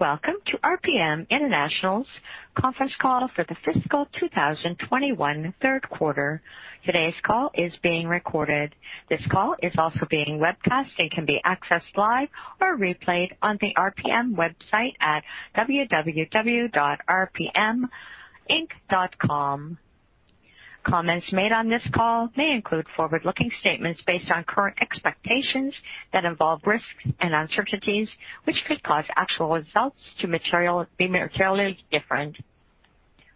Welcome to RPM International's conference call for the fiscal 2021 third quarter. Today's call is being recorded. This call is also being webcast and can be accessed live or replayed on the RPM website at www.rpminc.com. Comments made on this call may include forward-looking statements based on current expectations that involve risks and uncertainties, which could cause actual results to be materially different.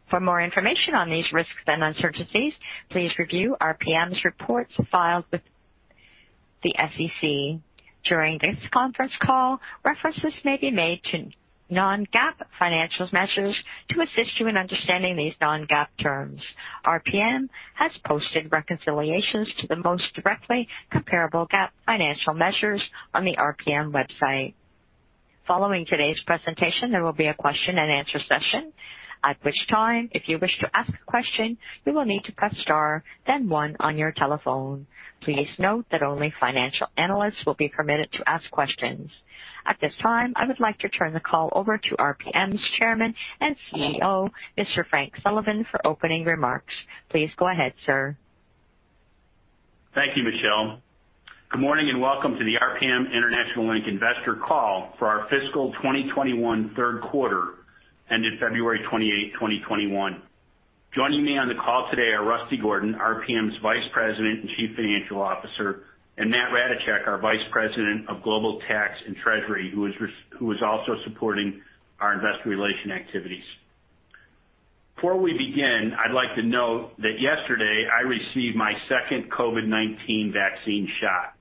For more information on these risks and uncertainties, please review RPM's reports filed with the SEC. During this conference call, references may be made to non-GAAP financial measures. To assist you in understanding these non-GAAP terms, RPM has posted reconciliations to the most directly comparable GAAP financial measures on the RPM website. Following today's presentation, there will be a question and answer session, at which time, if you wish to ask a question, you will need to press star, then one on your telephone. Please note that only financial analysts will be permitted to ask questions. At this time, I would like to turn the call over to RPM's Chairman and CEO, Mr. Frank Sullivan, for opening remarks. Please go ahead, sir. Thank you, Michelle. Good morning and welcome to the RPM International Inc. investor call for our fiscal 2021 third quarter ended February 28, 2021. Joining me on the call today are Rusty Gordon, RPM's Vice President and Chief Financial Officer, and Matt Ratajczak, our Vice President of Global Tax and Treasury, who is also supporting our investor relations activities. Before we begin, I'd like to note that yesterday I received my second COVID-19 vaccine shot.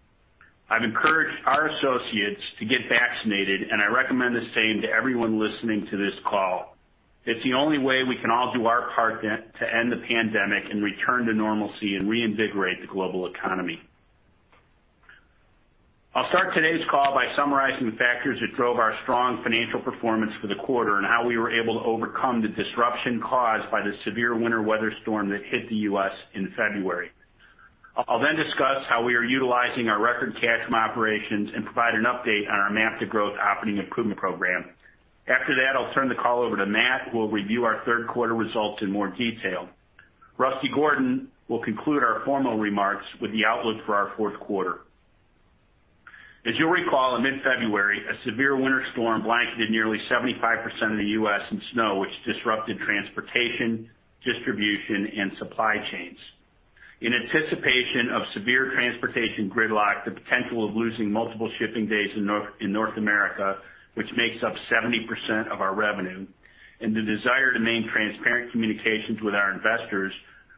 I've encouraged our associates to get vaccinated, I recommend the same to everyone listening to this call. It's the only way we can all do our part to end the pandemic and return to normalcy and reinvigorate the global economy. I'll start today's call by summarizing the factors that drove our strong financial performance for the quarter and how we were able to overcome the disruption caused by Winter Storm Uri that hit the U.S. in February. I'll discuss how we are utilizing our record cash from operations and provide an update on our MAP to Growth operating improvement program. I'll turn the call over to Matt, who will review our third quarter results in more detail. Rusty Gordon will conclude our formal remarks with the outlook for our fourth quarter. You'll recall, in mid-February, Winter Storm Uri blanketed nearly 75% of the U.S. in snow, which disrupted transportation, distribution, and supply chains. In anticipation of severe transportation gridlock, the potential of losing multiple shipping days in North America, which makes up 70% of our revenue, and the desire to maintain transparent communications with our investors,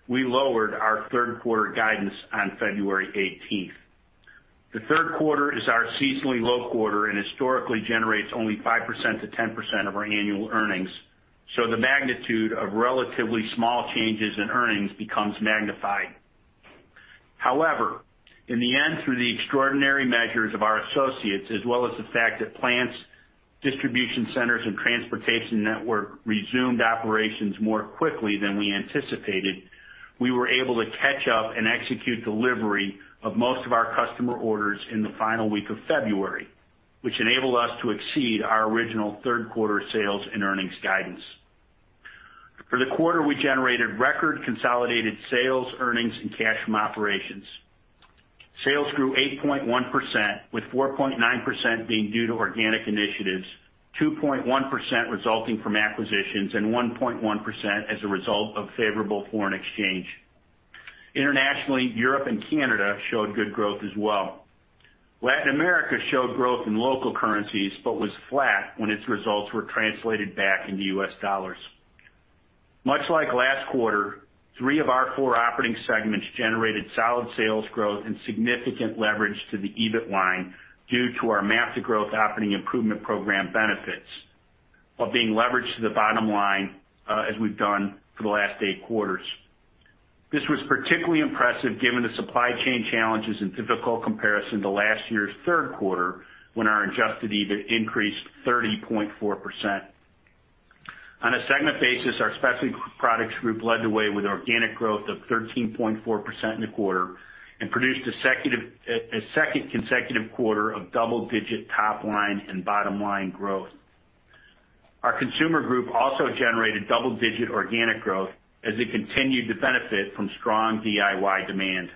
we lowered our third quarter guidance on February 18th. The third quarter is our seasonally low quarter and historically generates only 5%-10% of our annual earnings, so the magnitude of relatively small changes in earnings becomes magnified. However, in the end, through the extraordinary measures of our associates as well as the fact that plants, distribution centers, and transportation network resumed operations more quickly than we anticipated, we were able to catch up and execute delivery of most of our customer orders in the final week of February, which enabled us to exceed our original third quarter sales and earnings guidance. For the quarter, we generated record consolidated sales, earnings, and cash from operations. Sales grew 8.1%, with 4.9% being due to organic initiatives, 2.1% resulting from acquisitions, and 1.1% as a result of favorable foreign exchange. Internationally, Europe and Canada showed good growth as well. Latin America showed growth in local currencies but was flat when its results were translated back into U.S. dollars. Much like last quarter, three of our four operating segments generated solid sales growth and significant leverage to the EBIT line due to our MAP to Growth operating improvement program benefits while being leveraged to the bottom line as we've done for the last eight quarters. This was particularly impressive given the supply chain challenges and difficult comparison to last year's third quarter, when our adjusted EBIT increased 30.4%. On a segment basis, our Specialty Products Group led the way with organic growth of 13.4% in the quarter and produced a second consecutive quarter of double-digit top line and bottom line growth. Our Consumer Group also generated double-digit organic growth as it continued to benefit from strong DIY demand.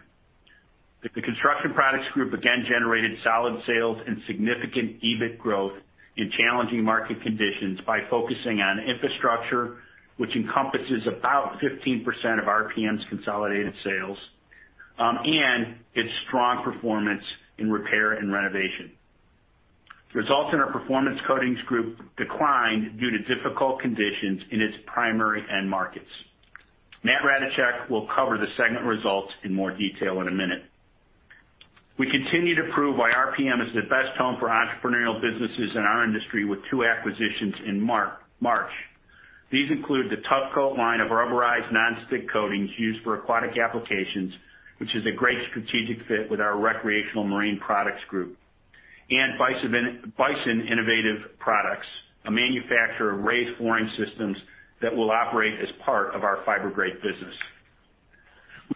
The Construction Products Group again generated solid sales and significant EBIT growth in challenging market conditions by focusing on infrastructure, which encompasses about 15% of RPM's consolidated sales, and its strong performance in repair and renovation. Results in our Performance Coatings Group declined due to difficult conditions in its primary end markets. Matt Ratajczak will cover the segment results in more detail in a minute. We continue to prove why RPM is the best home for entrepreneurial businesses in our industry with two acquisitions in March. These include the Tuff Coat line of rubberized non-skid coatings used for aquatic applications, which is a great strategic fit with our Recreational Marine Products group, and Bison Innovative Products, a manufacturer of raised flooring systems that will operate as part of our Fibergrate business.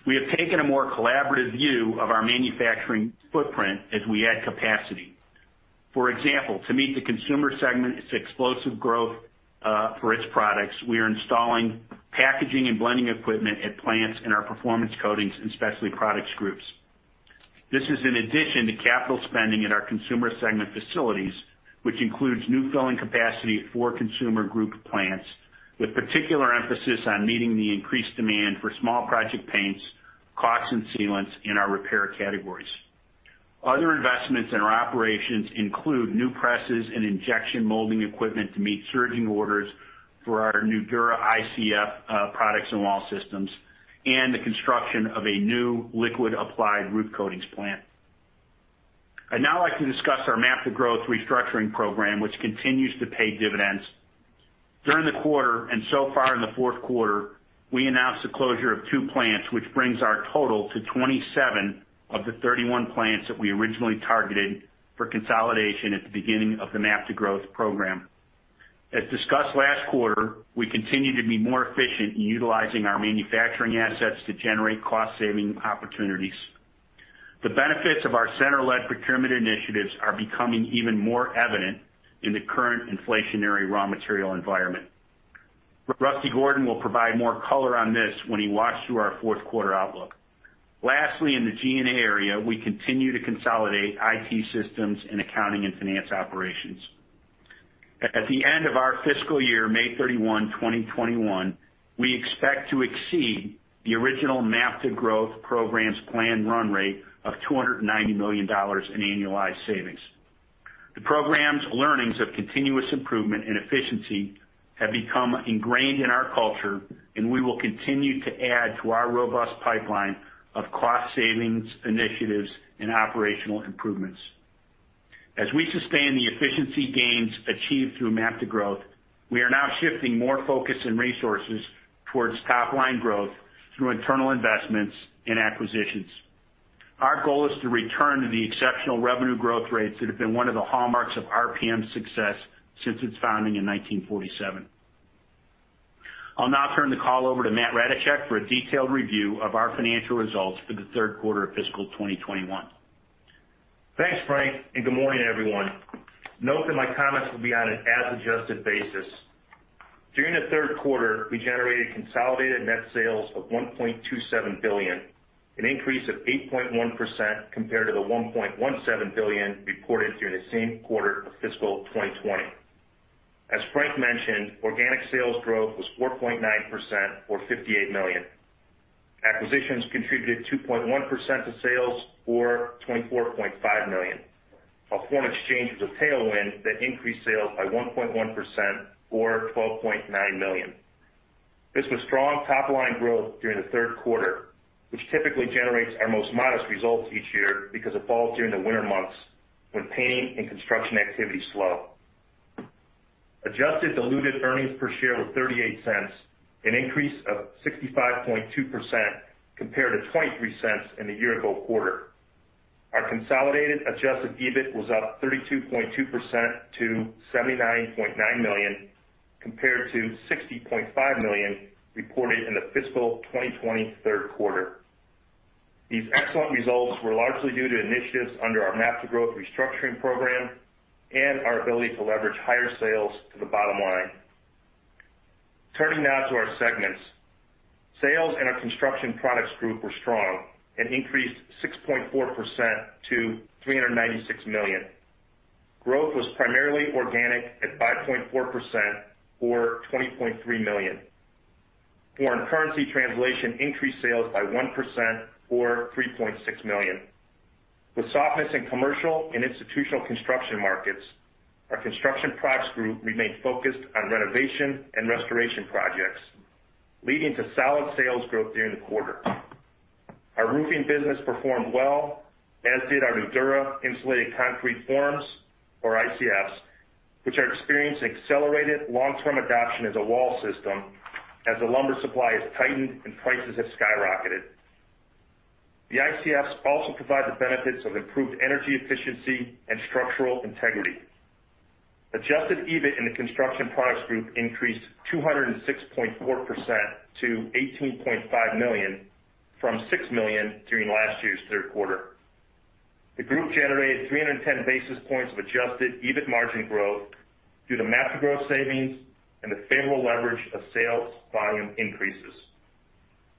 We have taken a more collaborative view of our manufacturing footprint as we add capacity. For example, to meet the Consumer Group's explosive growth for its products, we are installing packaging and blending equipment at plants in our Performance Coatings Group and Specialty Products Group. This is in addition to capital spending in our Consumer Group facilities, which includes new filling capacity for Consumer Group plants, with particular emphasis on meeting the increased demand for small project paints, caulk, and sealants in our repair categories. Other investments in our operations include new presses and injection molding equipment to meet surging orders for our Nudura ICF products and wall systems, and the construction of a new liquid applied roof coatings plant. I'd now like to discuss our MAP to Growth restructuring program, which continues to pay dividends. During the quarter and so far in the fourth quarter, we announced the closure of two plants, which brings our total to 27 of the 31 plants that we originally targeted for consolidation at the beginning of the MAP to Growth program. As discussed last quarter, we continue to be more efficient in utilizing our manufacturing assets to generate cost-saving opportunities. The benefits of our center-led procurement initiatives are becoming even more evident in the current inflationary raw material environment. Rusty Gordon will provide more color on this when he walks through our fourth quarter outlook. Lastly, in the G&A area, we continue to consolidate IT systems and accounting and finance operations. At the end of our fiscal year, May 31, 2021, we expect to exceed the original MAP to Growth program's planned run rate of $290 million in annualized savings. The program's learnings of continuous improvement and efficiency have become ingrained in our culture, and we will continue to add to our robust pipeline of cost savings initiatives and operational improvements. As we sustain the efficiency gains achieved through MAP to Growth, we are now shifting more focus and resources towards top-line growth through internal investments and acquisitions. Our goal is to return to the exceptional revenue growth rates that have been one of the hallmarks of RPM's success since its founding in 1947. I'll now turn the call over to Matt Ratajczak for a detailed review of our financial results for the third quarter of fiscal 2021. Thanks, Frank, and good morning, everyone. Note that my comments will be on an as-adjusted basis. During the third quarter, we generated consolidated net sales of $1.27 billion, an increase of 8.1% compared to the $1.17 billion reported during the same quarter of fiscal 2020. As Frank mentioned, organic sales growth was 4.9%, or $58 million. Acquisitions contributed 2.1% of sales, or $24.5 million, while foreign exchange was a tailwind that increased sales by 1.1%, or $12.9 million. This was strong top-line growth during the third quarter, which typically generates our most modest results each year because it falls during the winter months when painting and construction activity slow. Adjusted diluted earnings per share were $0.38, an increase of 65.2% compared to $0.23 in the year-ago quarter. Our consolidated adjusted EBIT was up 32.2% to $79.9 million, compared to $60.5 million reported in the fiscal 2020 third quarter. These excellent results were largely due to initiatives under our MAP to Growth restructuring program and our ability to leverage higher sales to the bottom line. Turning now to our segments. Sales in our Construction Products Group were strong and increased 6.4% to $396 million. Growth was primarily organic at 5.4%, or $20.3 million. Foreign currency translation increased sales by 1%, or $3.6 million. With softness in commercial and institutional construction markets, our Construction Products Group remained focused on renovation and restoration projects, leading to solid sales growth during the quarter. Our roofing business performed well, as did our new Nudura insulated concrete forms, or ICFs, which are experiencing accelerated long-term adoption as a wall system as the lumber supply has tightened and prices have skyrocketed. The ICFs also provide the benefits of improved energy efficiency and structural integrity. Adjusted EBIT in the Construction Products Group increased 206.4% to $18.5 million from $6 million during last year's third quarter. The group generated 310 basis points of adjusted EBIT margin growth due to MAP to Growth savings and the favorable leverage of sales volume increases.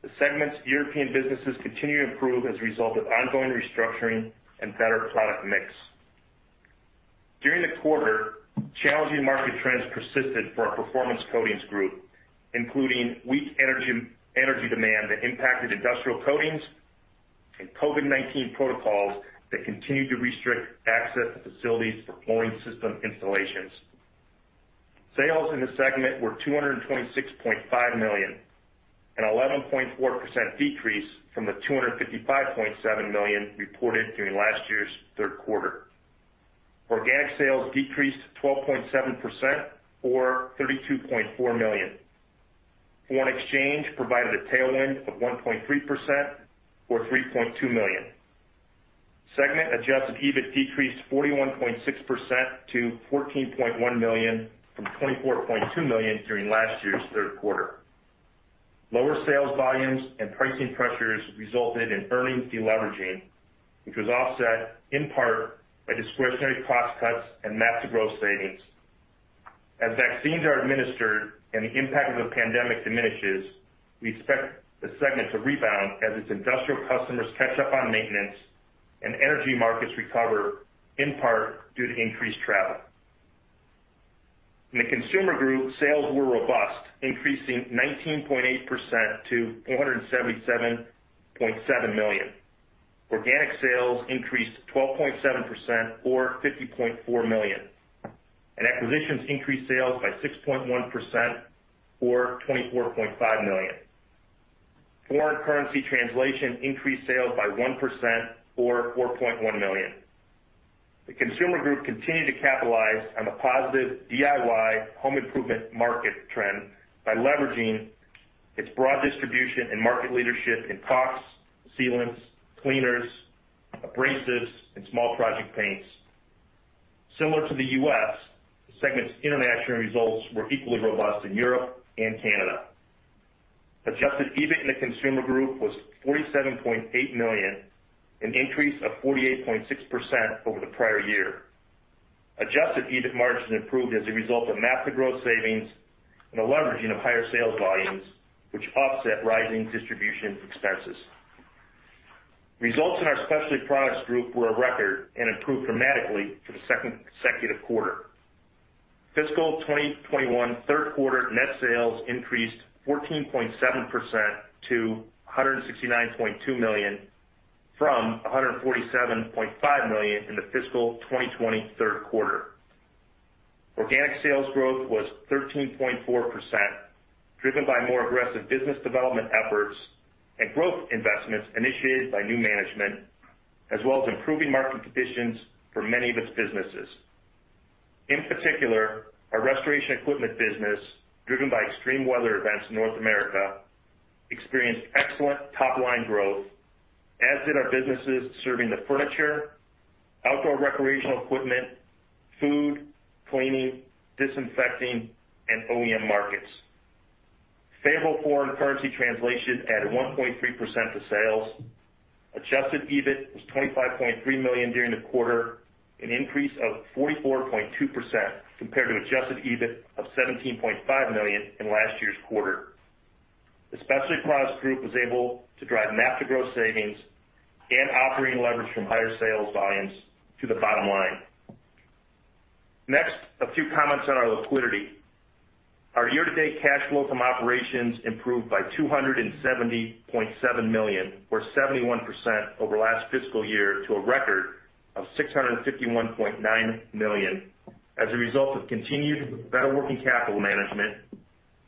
The segment's European businesses continue to improve as a result of ongoing restructuring and better product mix. During the quarter, challenging market trends persisted for our Performance Coatings Group, including weak energy demand that impacted industrial coatings and COVID-19 protocols that continued to restrict access to facilities for flooring system installations. Sales in this segment were $226.5 million, an 11.4% decrease from the $255.7 million reported during last year's third quarter. Organic sales decreased 12.7%, or $32.4 million. Foreign exchange provided a tailwind of 1.3%, or $3.2 million. Segment adjusted EBIT decreased 41.6% to $14.1 million from $24.2 million during last year's third quarter. Lower sales volumes and pricing pressures resulted in earnings de-leveraging, which was offset in part by discretionary cost cuts and MAP to Growth savings. As vaccines are administered and the impact of the pandemic diminishes, we expect the segment to rebound as its industrial customers catch up on maintenance and energy markets recover, in part due to increased travel. In the Consumer Group, sales were robust, increasing 19.8% to $477.7 million. Organic sales increased 12.7%, or $50.4 million, and acquisitions increased sales by 6.1%, or $24.5 million. Foreign currency translation increased sales by 1%, or $4.1 million. The Consumer Group continued to capitalize on the positive DIY home improvement market trend by leveraging its broad distribution and market leadership in caulk, sealants, cleaners, abrasives, and small project paints. Similar to the U.S., the segment's international results were equally robust in Europe and Canada. Adjusted EBIT in the Consumer Group was $47.8 million, an increase of 48.6% over the prior year. Adjusted EBIT margin improved as a result of MAP to Growth savings and a leveraging of higher sales volumes, which offset rising distribution expenses. Results in our Specialty Products Group were a record and improved dramatically for the second consecutive quarter. Fiscal 2021 third quarter net sales increased 14.7% to $169.2 million from $147.5 million in the fiscal 2020 third quarter. Organic sales growth was 13.4%, driven by more aggressive business development efforts and growth investments initiated by new management, as well as improving market conditions for many of its businesses. In particular, our restoration equipment business, driven by extreme weather events in North America, experienced excellent top-line growth, as did our businesses serving the furniture, outdoor recreational equipment, food, cleaning, disinfecting, and OEM markets. Favorable foreign currency translation added 1.3% to sales. Adjusted EBIT was $25.3 million during the quarter, an increase of 44.2% compared to adjusted EBIT of $17.5 million in last year's quarter. The Specialty Products Group was able to drive MAP to Growth savings and operating leverage from higher sales volumes to the bottom line. Next, a few comments on our liquidity. Our year-to-date cash flow from operations improved by $270.7 million, or 71%, over last fiscal year to a record of $651.9 million as a result of continued better working capital management,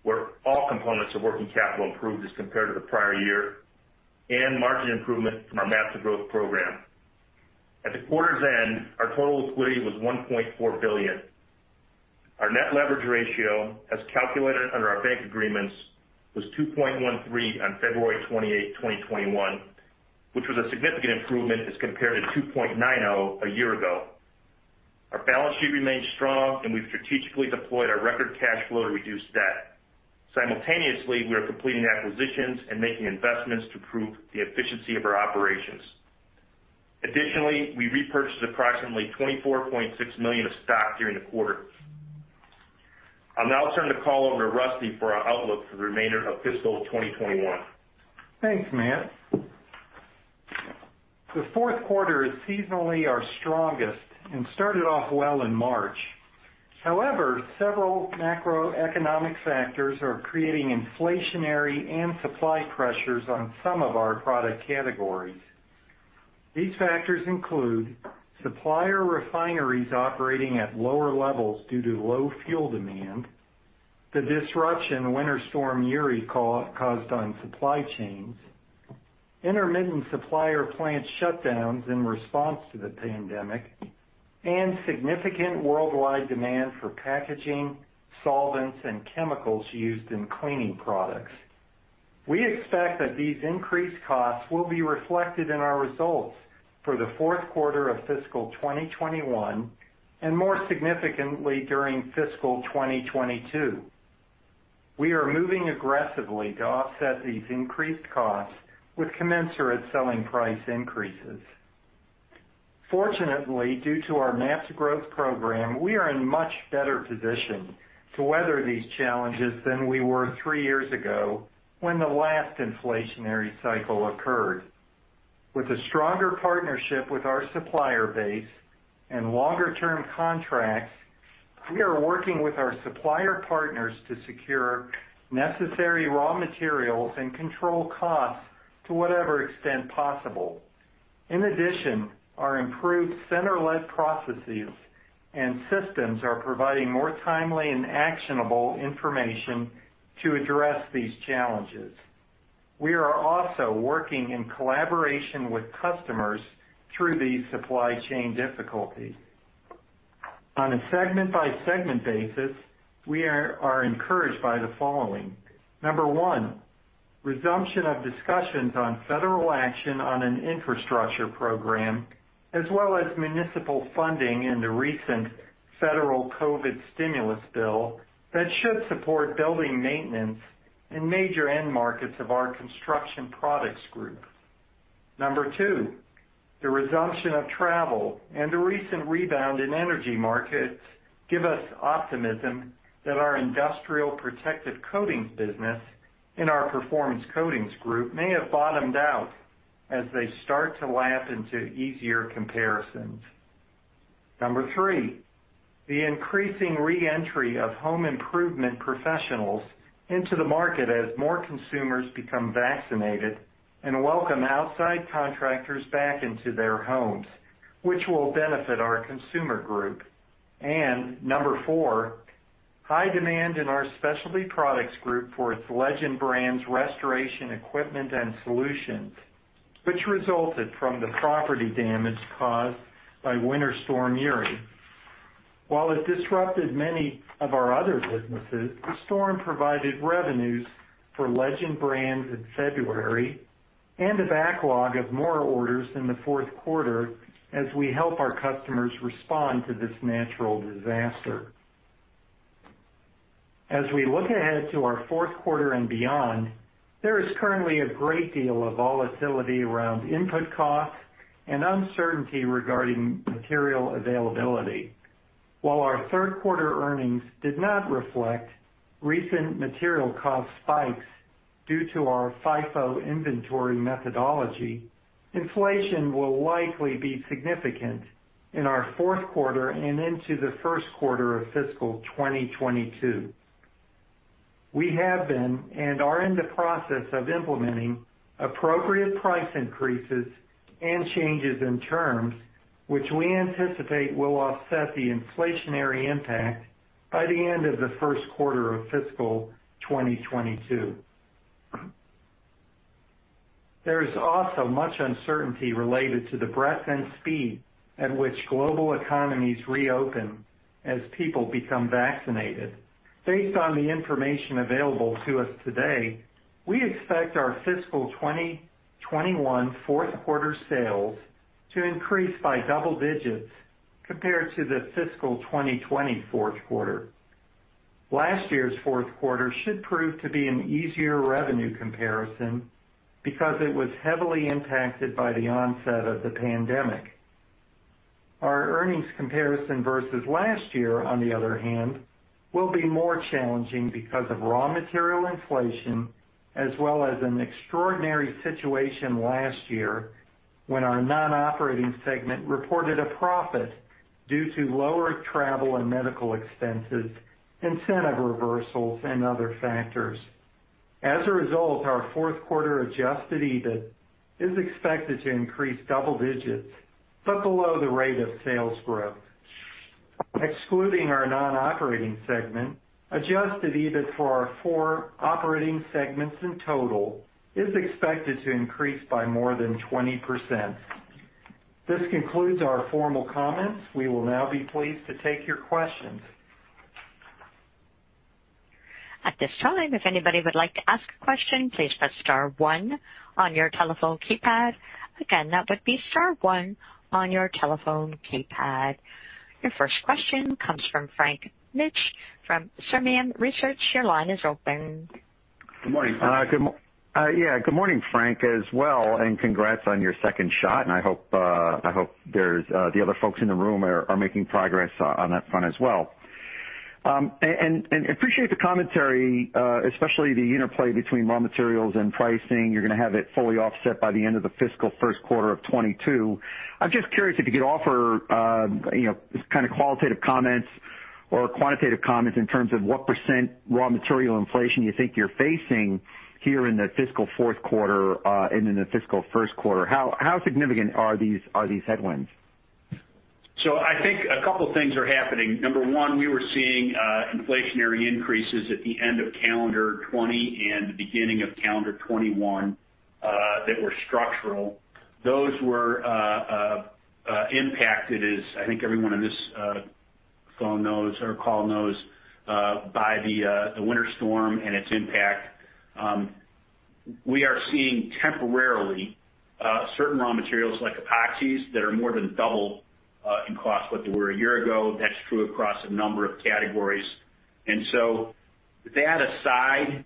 where all components of working capital improved as compared to the prior year, and margin improvement from our MAP to Growth program. At the quarter's end, our total liquidity was $1.4 billion. Our net leverage ratio, as calculated under our bank agreements, was 2.13 on February 28, 2021, which was a significant improvement as compared to 2.90 a year ago. Our balance sheet remains strong, and we've strategically deployed our record cash flow to reduce debt. Simultaneously, we are completing acquisitions and making investments to improve the efficiency of our operations. Additionally, we repurchased approximately $24.6 million of stock during the quarter. I'll now turn the call over to Rusty for our outlook for the remainder of fiscal 2021. Thanks, Matt. The fourth quarter is seasonally our strongest and started off well in March. However, several macroeconomic factors are creating inflationary and supply pressures on some of our product categories. These factors include supplier refineries operating at lower levels due to low fuel demand, the disruption Winter Storm Uri caused on supply chains, intermittent supplier plant shutdowns in response to the pandemic, and significant worldwide demand for packaging, solvents, and chemicals used in cleaning products. We expect that these increased costs will be reflected in our results for the fourth quarter of fiscal 2021 and more significantly during fiscal 2022. We are moving aggressively to offset these increased costs with commensurate selling price increases. Fortunately, due to our MAP to Growth program, we are in a much better position to weather these challenges than we were three years ago when the last inflationary cycle occurred. With a stronger partnership with our supplier base and longer-term contracts, we are working with our supplier partners to secure necessary raw materials and control costs to whatever extent possible. In addition, our improved center-led processes and systems are providing more timely and actionable information to address these challenges. We are also working in collaboration with customers through these supply chain difficulties. On a segment-by-segment basis, we are encouraged by the following. Number one, resumption of discussions on federal action on an infrastructure program, as well as municipal funding in the recent federal COVID-19 stimulus bill that should support building maintenance in major end markets of our Construction Products Group. Number two, the resumption of travel and the recent rebound in energy markets give us optimism that our industrial protective coatings business in our Performance Coatings Group may have bottomed out as they start to lap into easier comparisons. Number three, the increasing re-entry of home improvement professionals into the market as more consumers become vaccinated and welcome outside contractors back into their homes, which will benefit our Consumer Group. Number four, high demand in our Specialty Products Group for its Legend Brands restoration equipment and solutions, which resulted from the property damage caused by Winter Storm Uri. While it disrupted many of our other businesses, the storm provided revenues for Legend Brands in February and a backlog of more orders in the fourth quarter as we help our customers respond to this natural disaster. As we look ahead to our fourth quarter and beyond, there is currently a great deal of volatility around input costs and uncertainty regarding material availability. While our third quarter earnings did not reflect recent material cost spikes due to our FIFO inventory methodology, inflation will likely be significant in our fourth quarter and into the first quarter of fiscal 2022. We have been, and are in the process of implementing appropriate price increases and changes in terms which we anticipate will offset the inflationary impact by the end of the first quarter of fiscal 2022. There is also much uncertainty related to the breadth and speed at which global economies reopen as people become vaccinated. Based on the information available to us today, we expect our fiscal 2021 fourth quarter sales to increase by double digits compared to the fiscal 2020 fourth quarter. Last year's fourth quarter should prove to be an easier revenue comparison because it was heavily impacted by the onset of the pandemic. Our earnings comparison versus last year, on the other hand, will be more challenging because of raw material inflation, as well as an extraordinary situation last year when our non-operating segment reported a profit due to lower travel and medical expenses, incentive reversals, and other factors. As a result, our fourth quarter adjusted EBIT is expected to increase double digits, but below the rate of sales growth. Excluding our non-operating segment, adjusted EBIT for our four operating segments in total is expected to increase by more than 20%. This concludes our formal comments. We will now be pleased to take your questions. At this time if anybody would like to ask a question please press star one on your telephone keypad. Your first question comes from Frank Mitsch from Fermium Research. Your line is open. Good morning. Good morning, Frank, as well. Congrats on your second shot. I hope the other folks in the room are making progress on that front as well. Appreciate the commentary, especially the interplay between raw materials and pricing. You're going to have it fully offset by the end of the fiscal first quarter of 2022. I'm just curious if you could offer kind of qualitative comments or quantitative comments in terms of what % raw material inflation you think you're facing here in the fiscal fourth quarter and in the fiscal first quarter. How significant are these headwinds? I think a couple things are happening. Number one, we were seeing inflationary increases at the end of calendar 2020 and the beginning of calendar 2021, that were structural. Those were impacted as, I think everyone on this call knows, by the Winter Storm and its impact. We are seeing temporarily, certain raw materials like epoxies that are more than double in cost what they were a year ago. That's true across a number of categories. That aside,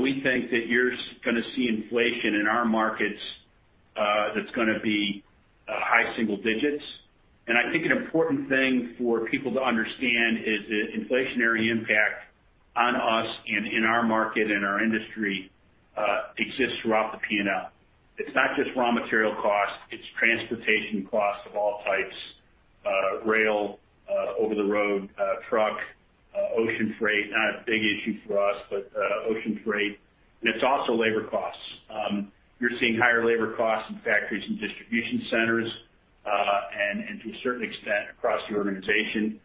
we think that you're going to see inflation in our markets that's going to be high single digits. I think an important thing for people to understand is that inflationary impact on us and in our market and our industry exists throughout the P&L. It's not just raw material cost, it's transportation cost of all types, rail, over the road, truck, ocean freight, not a big issue for us, but ocean freight, and it's also labor costs. You're seeing higher labor costs in factories and distribution centers, and to a certain extent, across the organization.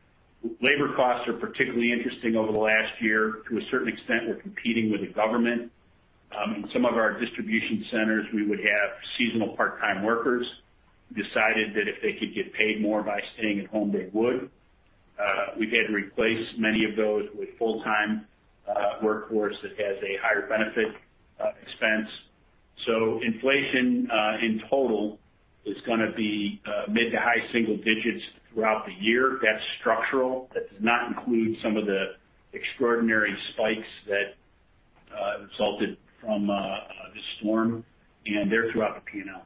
Labor costs are particularly interesting over the last year. To a certain extent, we're competing with the government In some of our distribution centers, we would have seasonal part-time workers who decided that if they could get paid more by staying at home, they would. We've had to replace many of those with full-time workforce that has a higher benefit expense. Inflation in total is going to be mid to high single digits throughout the year. That's structural. That does not include some of the extraordinary spikes that resulted from the storm, and they're throughout the P&L.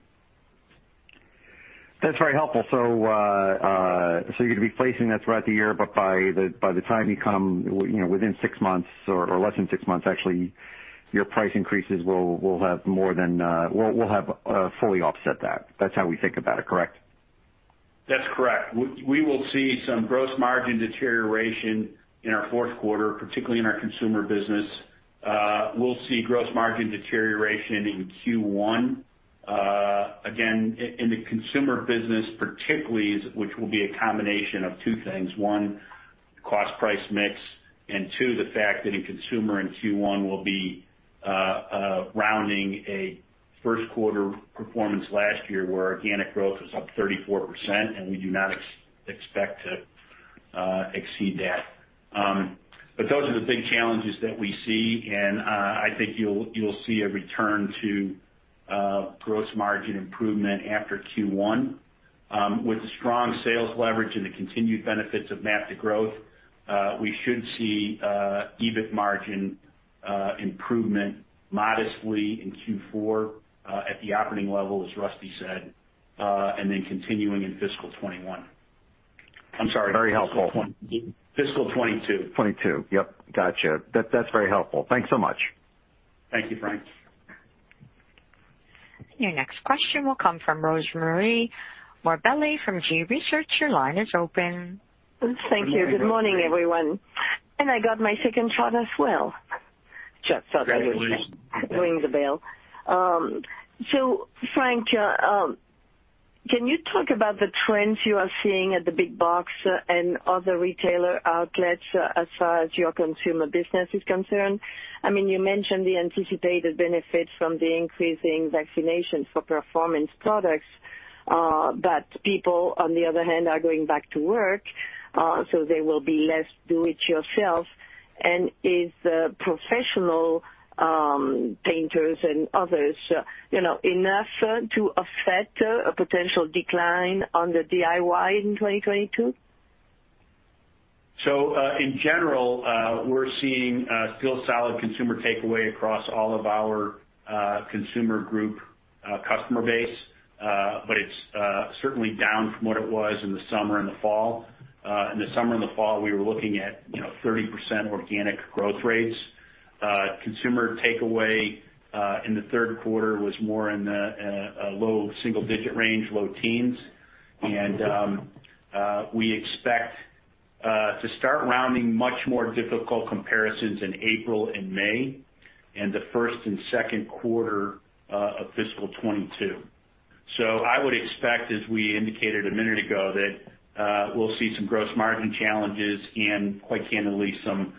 That's very helpful. You're replacing that throughout the year, but by the time you come within six months or less than six months, actually, your price increases will have fully offset that. That's how we think about it, correct? That's correct. We will see some gross margin deterioration in our fourth quarter, particularly in our consumer business. We'll see gross margin deterioration in Q1. Again, in the consumer business, particularly, which will be a combination of two things. One, cost price mix, and two, the fact that in consumer in Q1 we'll be rounding a first quarter performance last year where organic growth was up 34%, and we do not expect to exceed that. Those are the big challenges that we see, and I think you'll see a return to gross margin improvement after Q1. With the strong sales leverage and the continued benefits of MAP to Growth, we should see EBIT margin improvement modestly in Q4 at the operating level, as Rusty said, and then continuing in fiscal 2021. Very helpful. fiscal 2022. 2022. Yep, got you. That's very helpful. Thanks so much. Thank you, Frank. Your next question will come from Rosemarie Morbelli from GU Research. Your line is open. Thank you. Good morning, everyone. I got my second shot as well. Congratulations ring the bell. Frank, can you talk about the trends you are seeing at the big box and other retailer outlets as far as your consumer business is concerned? You mentioned the anticipated benefits from the increasing vaccinations for performance products, but people, on the other hand, are going back to work, so they will be less do it yourself. Is professional painters and others enough to affect a potential decline on the DIY in 2022? In general, we're seeing a still solid consumer takeaway across all of our Consumer Group customer base. It's certainly down from what it was in the summer and the fall. In the summer and the fall, we were looking at 30% organic growth rates. Consumer takeaway in the third quarter was more in a low single-digit range, low teens. We expect to start rounding much more difficult comparisons in April and May and the first and second quarter of fiscal 2022. I would expect, as we indicated a minute ago, that we'll see some gross margin challenges and, quite candidly, some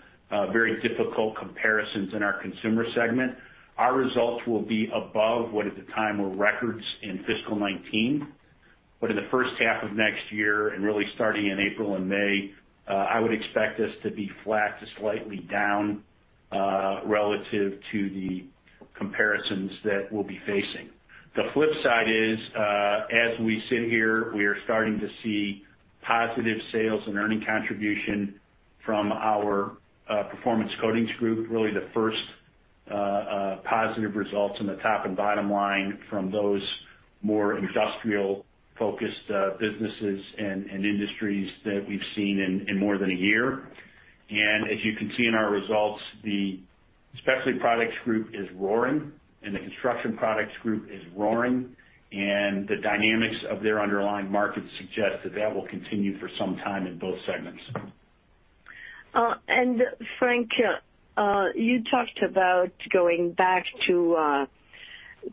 very difficult comparisons in our Consumer segment. Our results will be above what at the time were records in fiscal 2019. In the first half of next year, really starting in April and May, I would expect us to be flat to slightly down relative to the comparisons that we'll be facing. The flip side is as we sit here, we are starting to see positive sales and earning contribution from our Performance Coatings Group, really the first positive results in the top and bottom line from those more industrial-focused businesses and industries that we've seen in more than a year. As you can see in our results, the Specialty Products Group is roaring, and the Construction Products Group is roaring, and the dynamics of their underlying markets suggest that that will continue for some time in both segments. Frank, you talked about going back to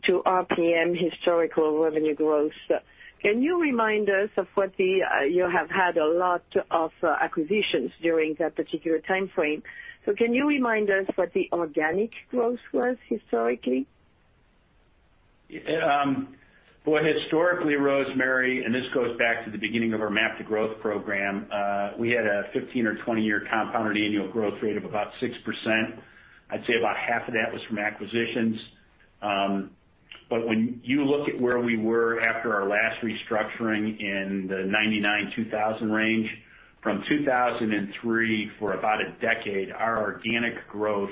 RPM historical revenue growth. You have had a lot of acquisitions during that particular timeframe. Can you remind us what the organic growth was historically? Historically, Rosemarie, this goes back to the beginning of our MAP to Growth program, we had a 15 or 20 year compounded annual growth rate of about 6%. I'd say about half of that was from acquisitions. When you look at where we were after our last restructuring in the 1999, 2000 range, from 2003 for about a decade, our organic growth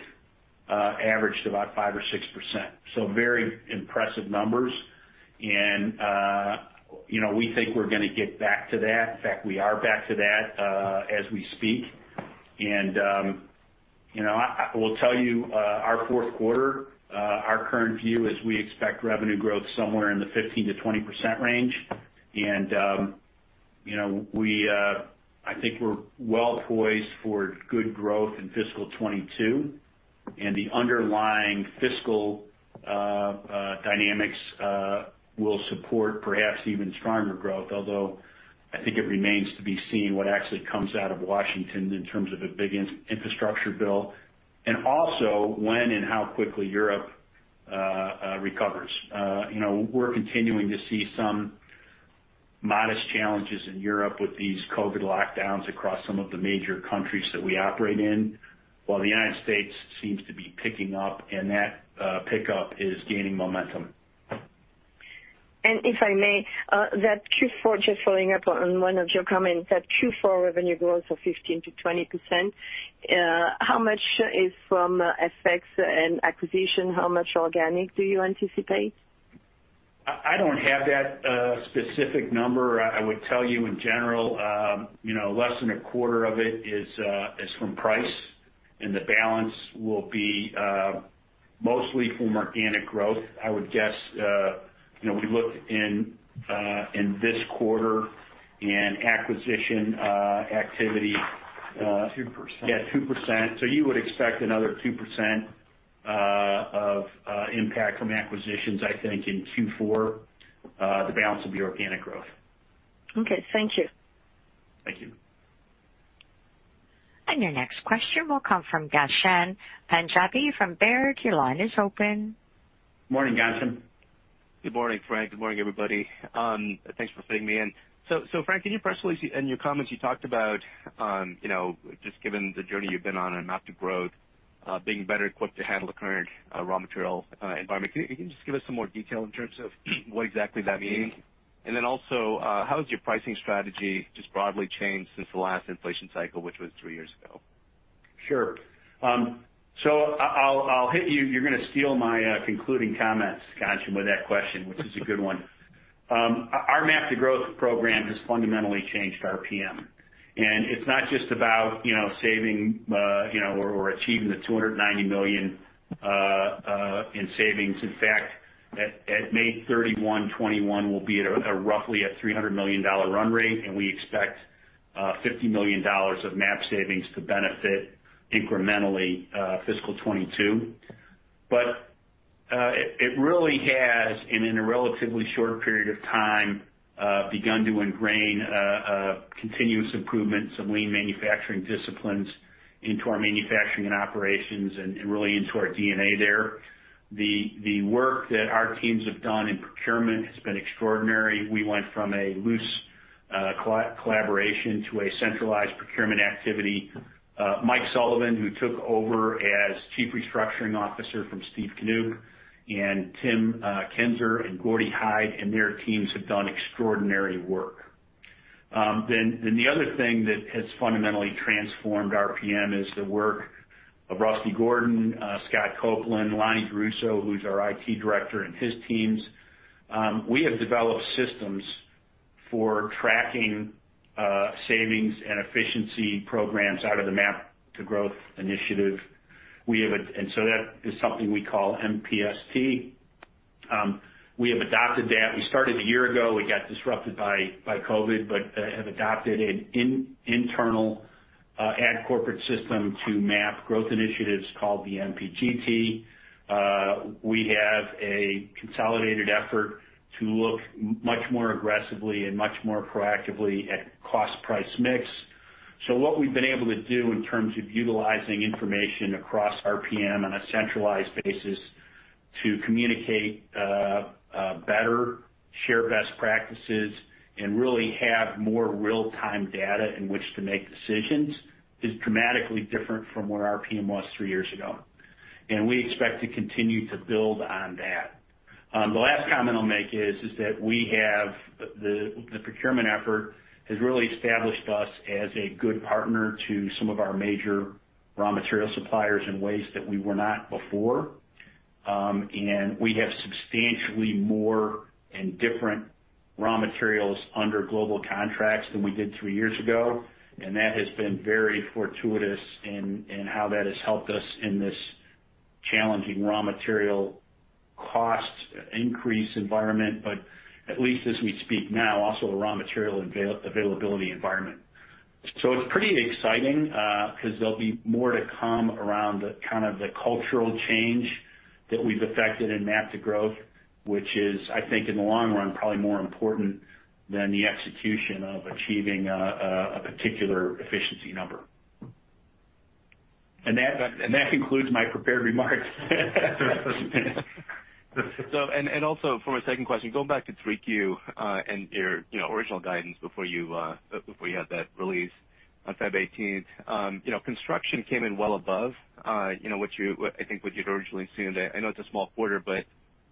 averaged about 5% or 6%. Very impressive numbers. We think we're going to get back to that. In fact, we are back to that as we speak. I will tell you, our fourth quarter, our current view is we expect revenue growth somewhere in the 15%-20% range. I think we're well poised for good growth in fiscal 2022, and the underlying fiscal dynamics will support perhaps even stronger growth, although I think it remains to be seen what actually comes out of Washington in terms of a big infrastructure bill. Also when and how quickly Europe recovers. We're continuing to see some modest challenges in Europe with these COVID-19 lockdowns across some of the major countries that we operate in, while the U.S. seems to be picking up, and that pickup is gaining momentum. If I may, just following up on one of your comments, that Q4 revenue growth of 15%-20%, how much is from effects and acquisition? How much organic do you anticipate? I don't have that specific number. I would tell you in general, less than a quarter of it is from price, and the balance will be mostly from organic growth. I would guess, we look in this quarter in acquisition activity. 2%. Yeah, 2%. You would expect another 2% of impact from acquisitions, I think in Q4. The balance will be organic growth. Okay. Thank you. Thank you. Your next question will come from Ghansham Panjabi from Baird. Your line is open. Morning, Ghansham. Good morning, Frank. Good morning, everybody. Thanks for fitting me in. Frank, can you personally, in your comments, you talked about just given the journey you've been on and MAP to Growth, being better equipped to handle the current raw material environment. Can you just give us some more detail in terms of what exactly that means? How has your pricing strategy just broadly changed since the last inflation cycle, which was three years ago? Sure. I'll hit you. You're gonna steal my concluding comments, Ghansham, with that question, which is a good one. Our MAP to Growth program has fundamentally changed RPM. It's not just about saving or achieving the $290 million in savings. In fact, at May 31, 2021, we'll be at a roughly a $300 million run rate, and we expect $50 million of MAP savings to benefit incrementally fiscal 2022. It really has, and in a relatively short period of time, begun to ingrain continuous improvements of lean manufacturing disciplines into our manufacturing and operations and really into our DNA there. The work that our teams have done in procurement has been extraordinary. We went from a loose collaboration to a centralized procurement activity. Mike Sullivan, who took over as Chief Restructuring Officer from Steve Knoop and Tim Kinser and Gordy Hyde and their teams have done extraordinary work. The other thing that has fundamentally transformed RPM is the work of Rusty Gordon, Scott Copeland, Lonny Caruso, who's our IT Director, and his teams. We have developed systems for tracking savings and efficiency programs out of the MAP to Growth initiative. That is something we call MPST. We have adopted that. We started a year ago. We got disrupted by COVID, but have adopted an internal ad corporate system to map growth initiatives called the MPGT. We have a consolidated effort to look much more aggressively and much more proactively at cost price mix. What we've been able to do in terms of utilizing information across RPM on a centralized basis to communicate better, share best practices, and really have more real-time data in which to make decisions is dramatically different from what RPM was three years ago. We expect to continue to build on that. The last comment I'll make is that the procurement effort has really established us as a good partner to some of our major raw material suppliers in ways that we were not before. We have substantially more and different raw materials under global contracts than we did three years ago, and that has been very fortuitous in how that has helped us in this challenging raw material cost increase environment. At least as we speak now, also a raw material availability environment. It's pretty exciting, because there'll be more to come around the kind of the cultural change that we've affected in MAP to Growth, which is, I think in the long run, probably more important than the execution of achieving a particular efficiency number. That concludes my prepared remarks. Also for my second question, going back to 3Q, and your original guidance before you had that release on Feb 18th. Construction came in well above I think what you'd originally seen. I know it's a small quarter, but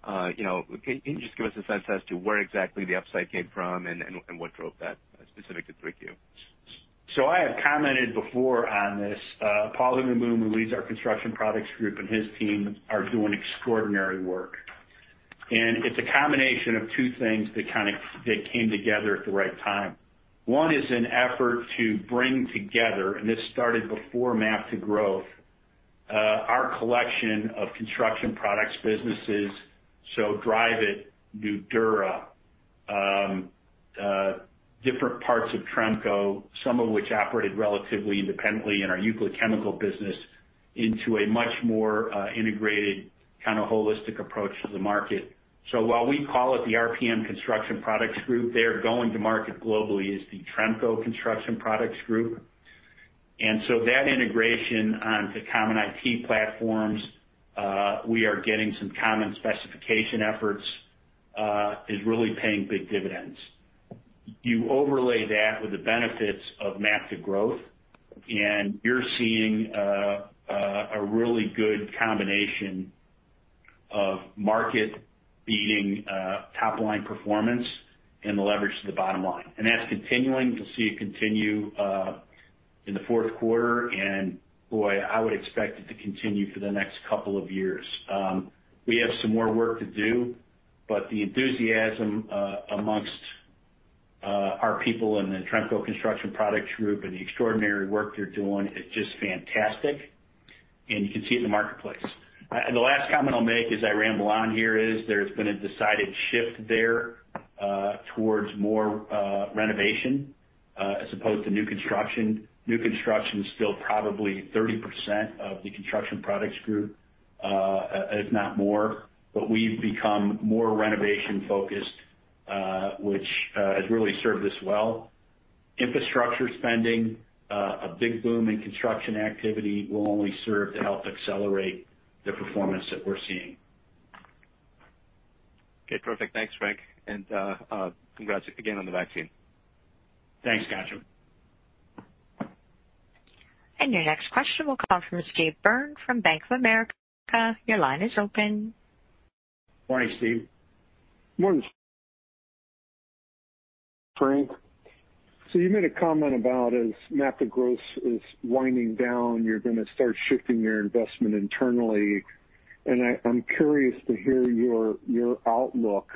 can you just give us a sense as to where exactly the upside came from and what drove that specific to 3Q? I have commented before on this. Paul Hoogenboom, who leads our Construction Products Group, and his team are doing extraordinary work. It's a combination of two things that came together at the right time. One is an effort to bring together, and this started before MAP to Growth, our collection of Construction Products Group businesses, Dryvit, Nudura, different parts of Tremco, some of which operated relatively independently in our Euclid Chemical business, into a much more integrated kind of holistic approach to the market. While we call it the RPM Construction Products Group, they're going to market globally as the Tremco Construction Products Group. That integration onto common IP platforms, we are getting some common specification efforts, is really paying big dividends. You overlay that with the benefits of MAP to Growth, you're seeing a really good combination of market beating top line performance and the leverage to the bottom line. That's continuing. You'll see it continue in the fourth quarter, and boy, I would expect it to continue for the next couple of years. We have some more work to do, but the enthusiasm amongst our people in the Tremco Construction Products Group and the extraordinary work they're doing is just fantastic, and you can see it in the marketplace. The last comment I'll make as I ramble on here is there's been a decided shift there towards more renovation as opposed to new construction. New construction is still probably 30% of the Construction Products Group, if not more, but we've become more renovation-focused, which has really served us well. Infrastructure spending, a big boom in construction activity will only serve to help accelerate the performance that we're seeing. Okay, perfect. Thanks, Frank, and congrats again on the vaccine. Thanks, Ghansham. Your next question will come from Steve Byrne from Bank of America. Your line is open. Morning, Steve. Morning, Frank. You made a comment about as MAP to Growth is winding down, you're gonna start shifting your investment internally. I'm curious to hear your outlook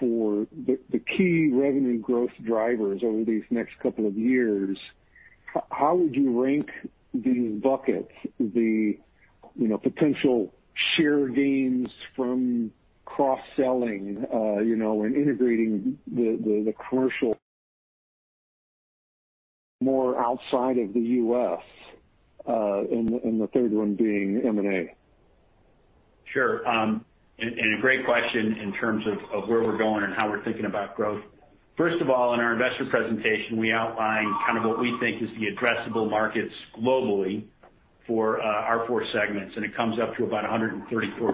for the key revenue growth drivers over these next couple of years. How would you rank these buckets, the potential share gains from cross-selling and integrating the commercial more outside of the U.S., and the third one being M&A? Sure. A great question in terms of where we're going and how we're thinking about growth. First of all, in our investor presentation, we outlined kind of what we think is the addressable markets globally for our four segments. It comes up to about $134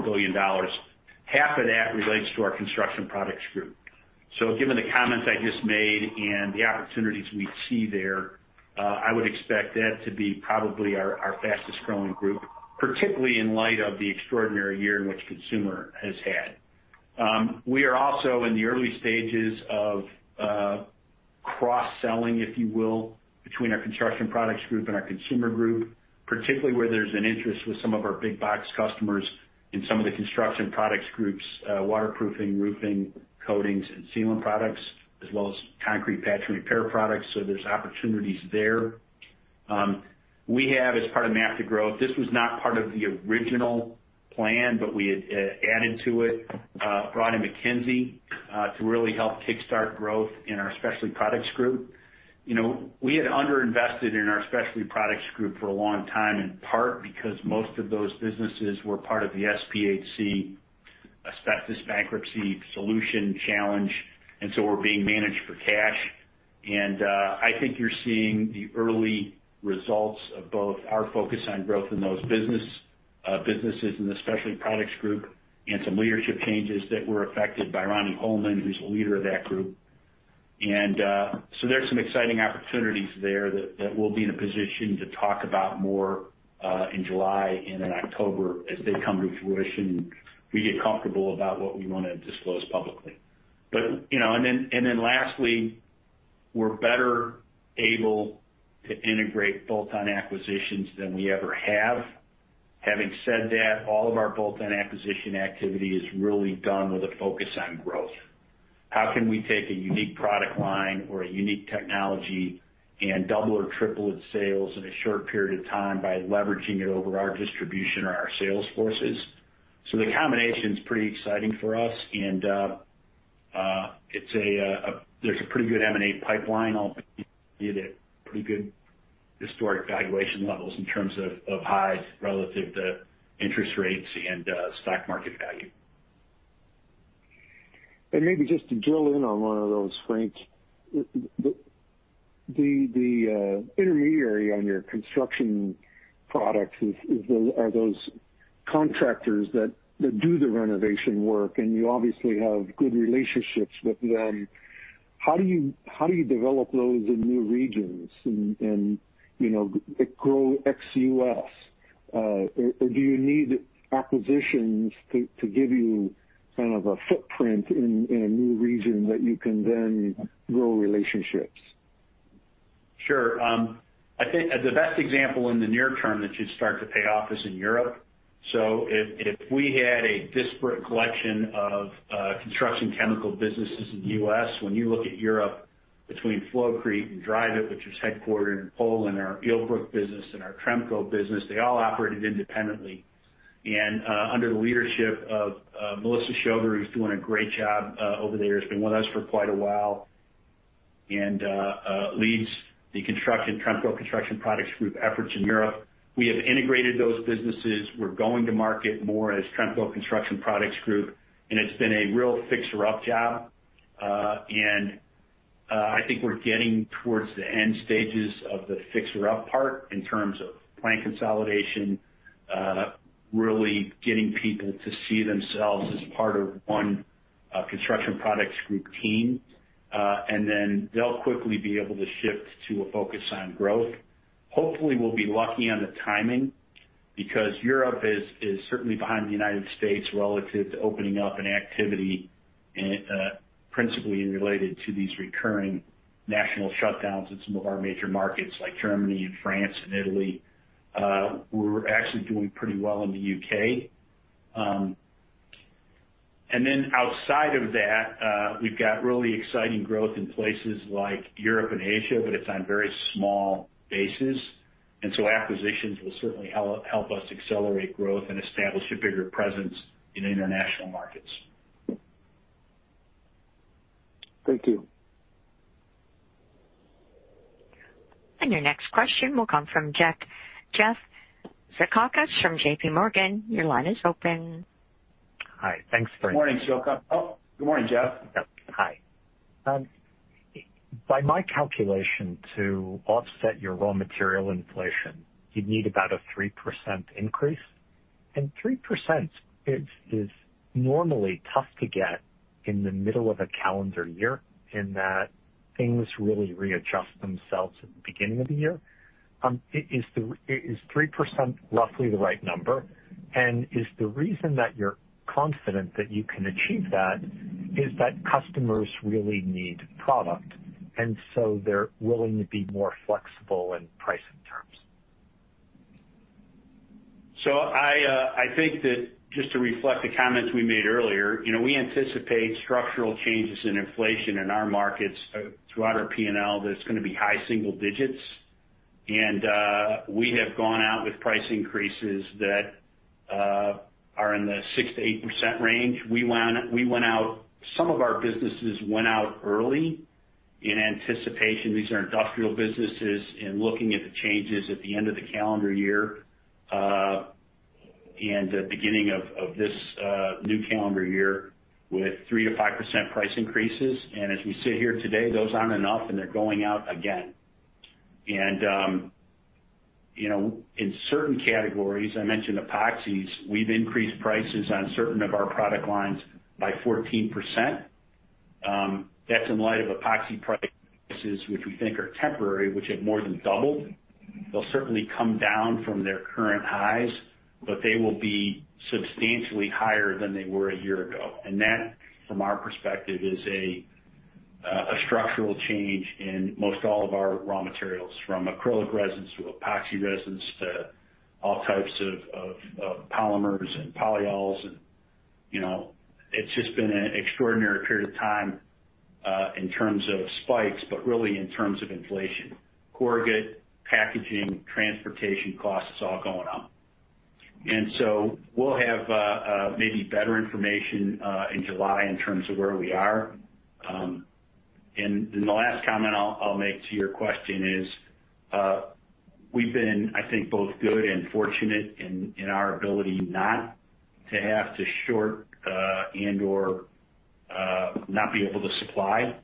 billion. Half of that relates to our Construction Products Group. Given the comments I just made and the opportunities we see there, I would expect that to be probably our fastest growing group, particularly in light of the extraordinary year in which Consumer has had. We are also in the early stages of cross-selling, if you will, between our Construction Products Group and our Consumer Group, particularly where there's an interest with some of our big box customers in some of the Construction Products Group's waterproofing, roofing, coatings, and sealant products, as well as concrete patch and repair products. There's opportunities there. We have as part of MAP to Growth, this was not part of the original plan, but we had added to it, brought in McKinsey to really help kickstart growth in our Specialty Products Group. We had under-invested in our Specialty Products Group for a long time, in part because most of those businesses were part of the SPAC, asbestos bankruptcy solution challenge, and were being managed for cash. I think you're seeing the early results of both our focus on growth in those businesses in the Specialty Products Group and some leadership changes that were affected by Ronnie Holman, who's the leader of that group. There's some exciting opportunities there that we'll be in a position to talk about more in July and in October as they come to fruition and we get comfortable about what we want to disclose publicly. Lastly, we're better able to integrate bolt-on acquisitions than we ever have. Having said that, all of our bolt-on acquisition activity is really done with a focus on growth. How can we take a unique product line or a unique technology and double or triple its sales in a short period of time by leveraging it over our distribution or our sales forces? The combination's pretty exciting for us, and there's a pretty good M&A pipeline, albeit at pretty good historic valuation levels in terms of highs relative to interest rates and stock market value. Maybe just to drill in on one of those, Frank. The intermediary on your construction products are those contractors that do the renovation work, and you obviously have good relationships with them. How do you develop those in new regions and grow ex-U.S.? Do you need acquisitions to give you kind of a footprint in a new region that you can then grow relationships? Sure. I think the best example in the near term that should start to pay off is in Europe. If we had a disparate collection of construction chemical businesses in the U.S., when you look at Europe between Flowcrete and Dryvit, which is headquartered in Poland, our illbruck business and our Tremco business, they all operated independently. Under the leadership of Melissa Schaller, who's doing a great job over there, has been with us for quite a while, and leads the Tremco Construction Products Group efforts in Europe. We have integrated those businesses. We're going to market more as Tremco Construction Products Group, and it's been a real fixer-up job. I think we're getting towards the end stages of the fixer-up part in terms of plant consolidation, really getting people to see themselves as part of one Construction Products Group team. They'll quickly be able to shift to a focus on growth. Hopefully, we'll be lucky on the timing because Europe is certainly behind the U.S. relative to opening up and activity principally related to these recurring national shutdowns in some of our major markets like Germany and France and Italy. We're actually doing pretty well in the U.K. Outside of that, we've got really exciting growth in places like Europe and Asia, but it's on very small bases, and so acquisitions will certainly help us accelerate growth and establish a bigger presence in international markets. Thank you. Your next question will come from Jeff Zekauskas from JPMorgan. Your line is open. Hi. Morning, Zekauskas. Oh, good morning, Jeff. Yep. Hi. By my calculation, to offset your raw material inflation, you'd need about a 3% increase. 3% is normally tough to get in the middle of a calendar year in that things really readjust themselves at the beginning of the year. Is 3% roughly the right number? Is the reason that you're confident that you can achieve that is that customers really need product, and so they're willing to be more flexible in pricing terms? I think that just to reflect the comments we made earlier, we anticipate structural changes in inflation in our markets throughout our P&L that's going to be high single digits. We have gone out with price increases that are in the 6%-8% range. Some of our businesses went out early in anticipation. These are industrial businesses, and looking at the changes at the end of the calendar year, and the beginning of this new calendar year with 3%-5% price increases. As we sit here today, those aren't enough, and they're going out again. In certain categories, I mentioned epoxies, we've increased prices on certain of our product lines by 14%. That's in light of epoxy prices, which we think are temporary, which have more than doubled. They'll certainly come down from their current highs, but they will be substantially higher than they were a year ago. That, from our perspective, is a structural change in most all of our raw materials, from acrylic resins to epoxy resins to all types of polymers and polyols. It's just been an extraordinary period of time in terms of spikes, but really in terms of inflation. Corrugated, packaging, transportation costs all going up. We'll have maybe better information in July in terms of where we are. The last comment I'll make to your question is, we've been, I think, both good and fortunate in our ability not to have to short and/or not be able to supply.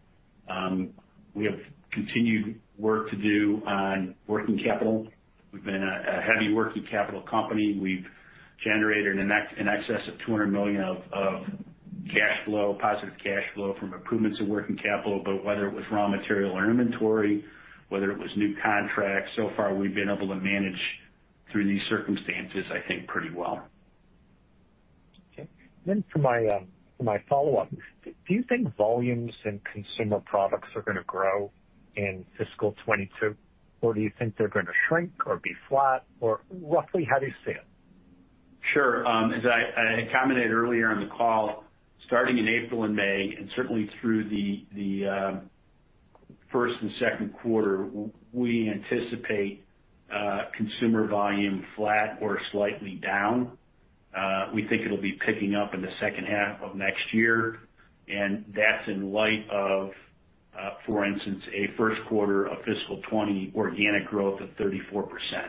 We have continued work to do on working capital. We've been a heavy working capital company. We've generated in excess of $200 million of positive cash flow from improvements in working capital. Whether it was raw material or inventory, whether it was new contracts, so far, we've been able to manage through these circumstances, I think, pretty well. Okay. For my follow-up, do you think volumes in consumer products are going to grow in fiscal 2022, or do you think they're going to shrink or be flat, or roughly how do you see it? Sure. As I commented earlier on the call, starting in April and May, certainly through the first and second quarter, we anticipate consumer volume flat or slightly down. That's in light of, for instance, a first quarter of fiscal 2020 organic growth of 34%,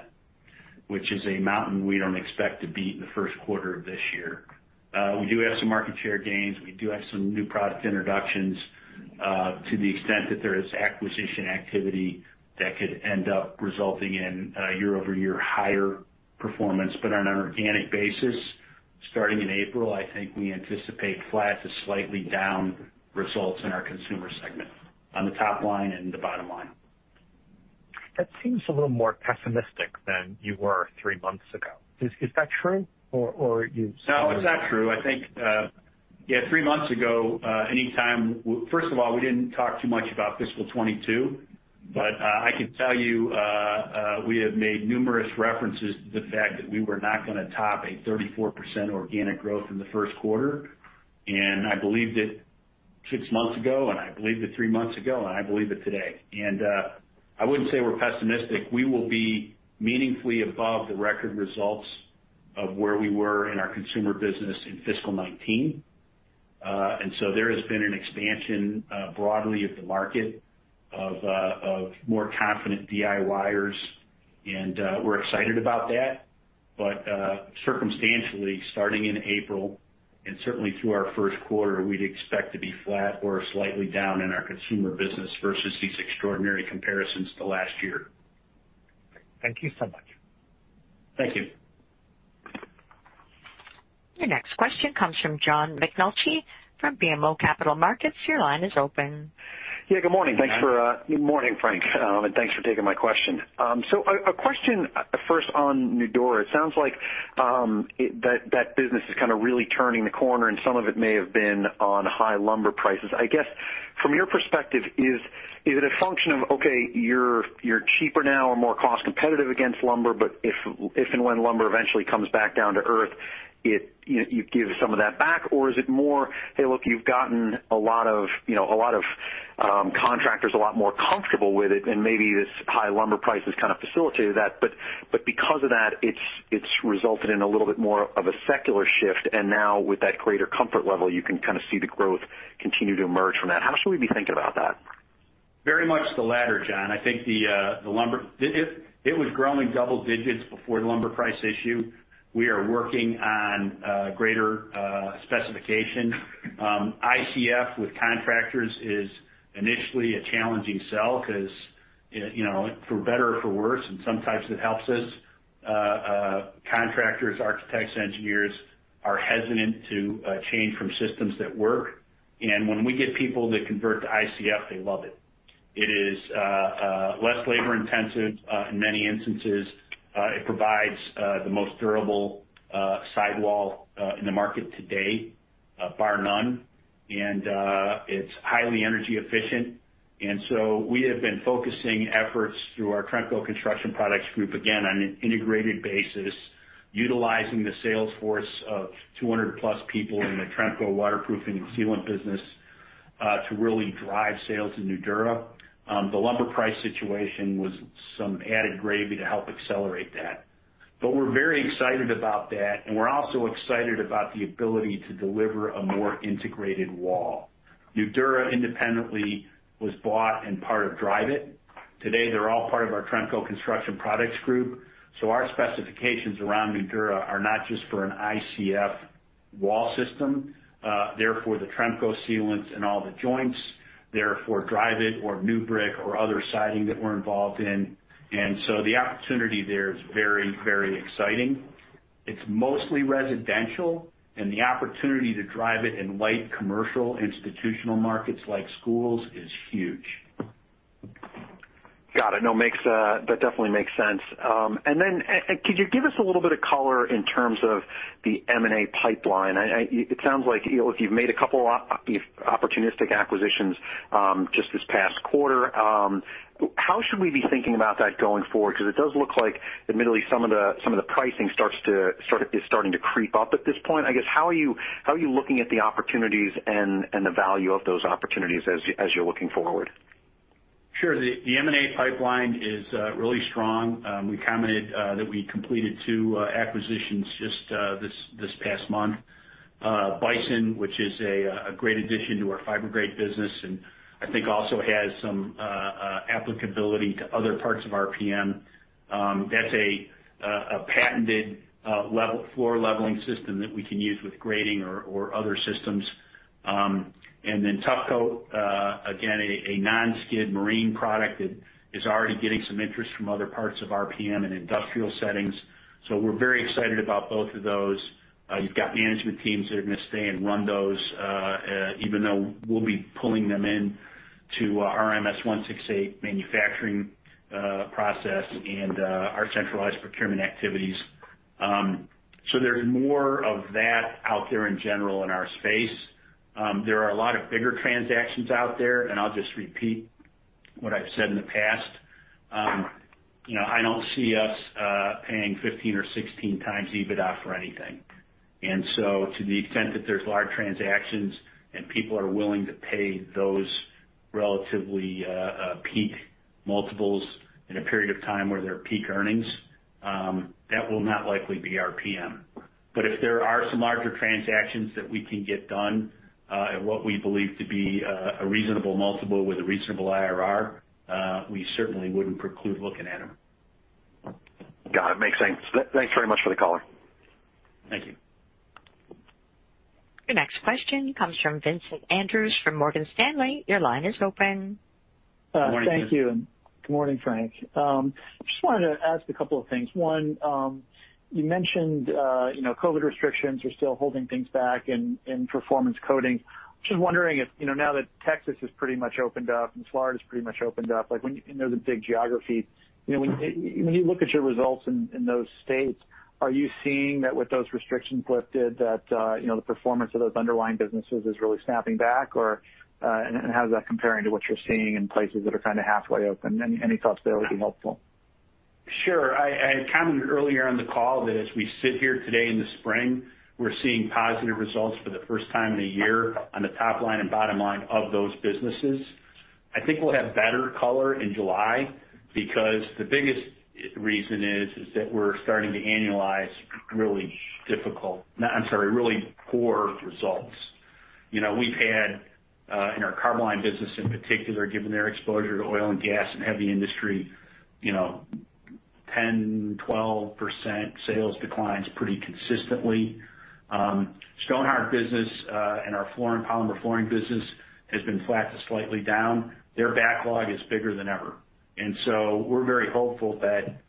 which is a mountain we don't expect to beat in the first quarter of this year. We do have some market share gains. We do have some new product introductions to the extent that there is acquisition activity that could end up resulting in a year-over-year higher performance. On an organic basis, starting in April, I think we anticipate flat to slightly down results in our Consumer segment on the top line and the bottom line. That seems a little more pessimistic than you were three months ago. Is that true? No, it's not true. I think, three months ago, first of all, we didn't talk too much about fiscal 2022. I can tell you, we have made numerous references to the fact that we were not going to top a 34% organic growth in the first quarter. I believe that six months ago, and I believed it three months ago, and I believe it today. I wouldn't say we're pessimistic. We will be meaningfully above the record results of where we were in our Consumer Group in fiscal 2019. There has been an expansion, broadly of the market of more confident DIYers and we're excited about that. Circumstantially, starting in April and certainly through our first quarter, we'd expect to be flat or slightly down in our Consumer Group versus these extraordinary comparisons to last year. Thank you so much. Thank you. Your next question comes from John McNulty from BMO Capital Markets. Your line is open. Yeah, good morning. Good morning. Good morning, Frank, and thanks for taking my question. A question first on Nudura. It sounds like that business is kind of really turning the corner and some of it may have been on high lumber prices. I guess from your perspective is it a function of, okay, you're cheaper now or more cost competitive against lumber, but if and when lumber eventually comes back down to earth, you give some of that back? Or is it more, hey, look, you've gotten a lot of contractors a lot more comfortable with it, and maybe this high lumber price has kind of facilitated that, but because of that, it's resulted in a little bit more of a secular shift, and now with that greater comfort level, you can kind of see the growth continue to emerge from that. How should we be thinking about that? Very much the latter, John. I think it was growing double digits before the lumber price issue. We are working on greater specification. ICF with contractors is initially a challenging sell because, for better or for worse, and sometimes it helps us, contractors, architects, engineers are hesitant to change from systems that work. When we get people that convert to ICF, they love it. It is less labor-intensive, in many instances. It provides the most durable sidewall in the market today, bar none. It is highly energy efficient. We have been focusing efforts through our Tremco Construction Products Group, again, on an integrated basis, utilizing the sales force of 200 plus people in the Tremco waterproofing and sealant business, to really drive sales in Nudura. The lumber price situation was some added gravy to help accelerate that. We're very excited about that, and we're also excited about the ability to deliver a more integrated wall. Nudura independently was bought and part of Dryvit. Today, they're all part of our Tremco Construction Products Group. Our specifications around Nudura are not just for an ICF wall system. They're for the Tremco sealants and all the joints. They're for Dryvit or NewBrick or other siding that we're involved in. The opportunity there is very exciting. It's mostly residential, and the opportunity to drive it in light commercial institutional markets like schools is huge. Got it. No, that definitely makes sense. Could you give us a little bit of color in terms of the M&A pipeline? It sounds like you've made a couple opportunistic acquisitions just this past quarter. How should we be thinking about that going forward? It does look like, admittedly, some of the pricing is starting to creep up at this point. I guess, how are you looking at the opportunities and the value of those opportunities as you're looking forward? Sure. The M&A pipeline is really strong. We commented that we completed two acquisitions just this past month. Bison, which is a great addition to our Fibergrate business, and I think also has some applicability to other parts of RPM. That's a patented floor leveling system that we can use with grading or other systems. Tuff Coat, again, a non-skid marine product that is already getting some interest from other parts of RPM in industrial settings. We're very excited about both of those. You've got management teams that are going to stay and run those, even though we'll be pulling them in to our MS168 manufacturing process and our centralized procurement activities. There's more of that out there in general in our space. There are a lot of bigger transactions out there, and I'll just repeat what I've said in the past. I don't see us paying 15 or 16 times EBITDA for anything. To the extent that there's large transactions and people are willing to pay those relatively peak multiples in a period of time where there are peak earnings, that will not likely be RPM. If there are some larger transactions that we can get done at what we believe to be a reasonable multiple with a reasonable IRR, we certainly wouldn't preclude looking at them. Got it. Makes sense. Thanks very much for the color. Thank you. Your next question comes from Vincent Andrews from Morgan Stanley. Your line is open. Good morning, Vincent. Thank you, good morning, Frank. Just wanted to ask a couple of things. One, you mentioned COVID restrictions are still holding things back in performance coating. Just wondering if now that Texas is pretty much opened up and Florida's pretty much opened up, those are big geographies. When you look at your results in those states, are you seeing that with those restrictions lifted, that the performance of those underlying businesses is really snapping back, or how is that comparing to what you're seeing in places that are kind of halfway open? Any thoughts there would be helpful. Sure. I commented earlier on the call that as we sit here today in the spring, we're seeing positive results for the first time in a year on the top line and bottom line of those businesses. I think we'll have better color in July, because the biggest reason is that we're starting to annualize really poor results. We've had, in our Carboline business in particular, given their exposure to oil and gas and heavy industry, 10%-12% sales declines pretty consistently. Stonhard business and our polymer flooring business has been flat to slightly down. Their backlog is bigger than ever. We're very hopeful that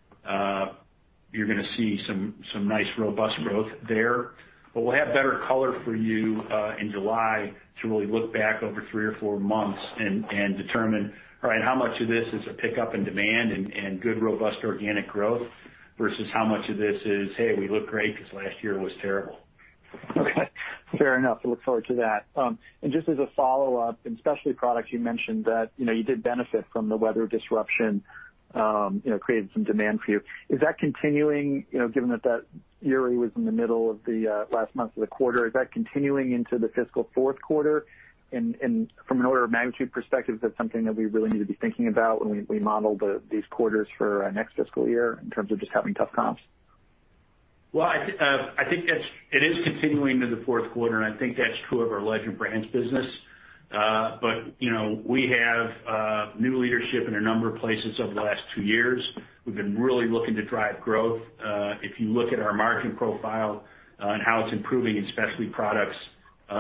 you're going to see some nice robust growth there. We'll have better color for you in July to really look back over three or four months and determine how much of this is a pickup in demand and good, robust organic growth, versus how much of this is, "Hey, we look great because last year was terrible. Okay. Fair enough. I look forward to that. Just as a follow-up, in Specialty Products, you mentioned that you did benefit from the weather disruption, created some demand for you. Is that continuing, given that Uri was in the middle of the last month of the quarter? Is that continuing into the fiscal fourth quarter? From an order of magnitude perspective, is that something that we really need to be thinking about when we model these quarters for next fiscal year in terms of just having tough comps? Well, I think it is continuing into the fourth quarter, and I think that's true of our Legend Brands business. We have new leadership in a number of places over the last two years. We've been really looking to drive growth. If you look at our margin profile and how it's improving in specialty products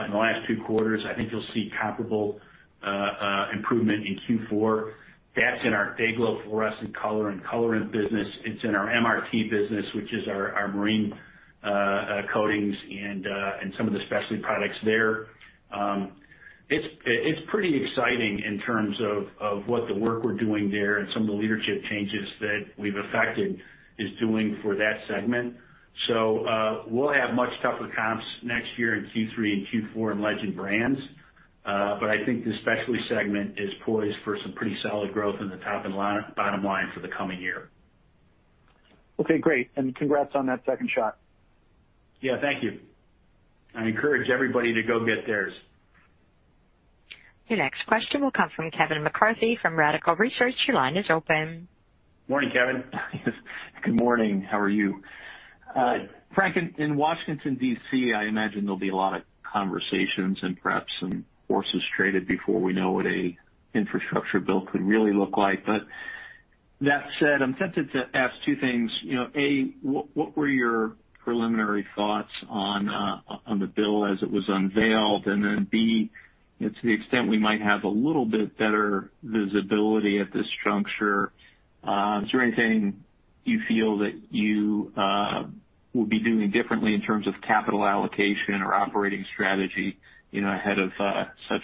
in the last two quarters, I think you'll see comparable improvement in Q4. That's in our DayGlo fluorescent color and colorant business. It's in our MRT business, which is our marine coatings and some of the specialty products there. It's pretty exciting in terms of what the work we're doing there and some of the leadership changes that we've effected is doing for that segment. We'll have much tougher comps next year in Q3 and Q4 in Legend Brands. I think the Specialty segment is poised for some pretty solid growth in the top and bottom line for the coming year. Okay, great. Congrats on that second shot. Yeah, thank you. I encourage everybody to go get theirs. Your next question will come from Kevin McCarthy from Vertical Research Partners. Your line is open. Morning, Kevin. Good morning. How are you? Frank, in Washington, D.C., I imagine there'll be a lot of conversations and perhaps some horses traded before we know what a infrastructure bill could really look like. That said, I'm tempted to ask two things. A, what were your preliminary thoughts on the bill as it was unveiled? And then, B, to the extent we might have a little bit better visibility at this juncture, is there anything you feel that you will be doing differently in terms of capital allocation or operating strategy ahead of such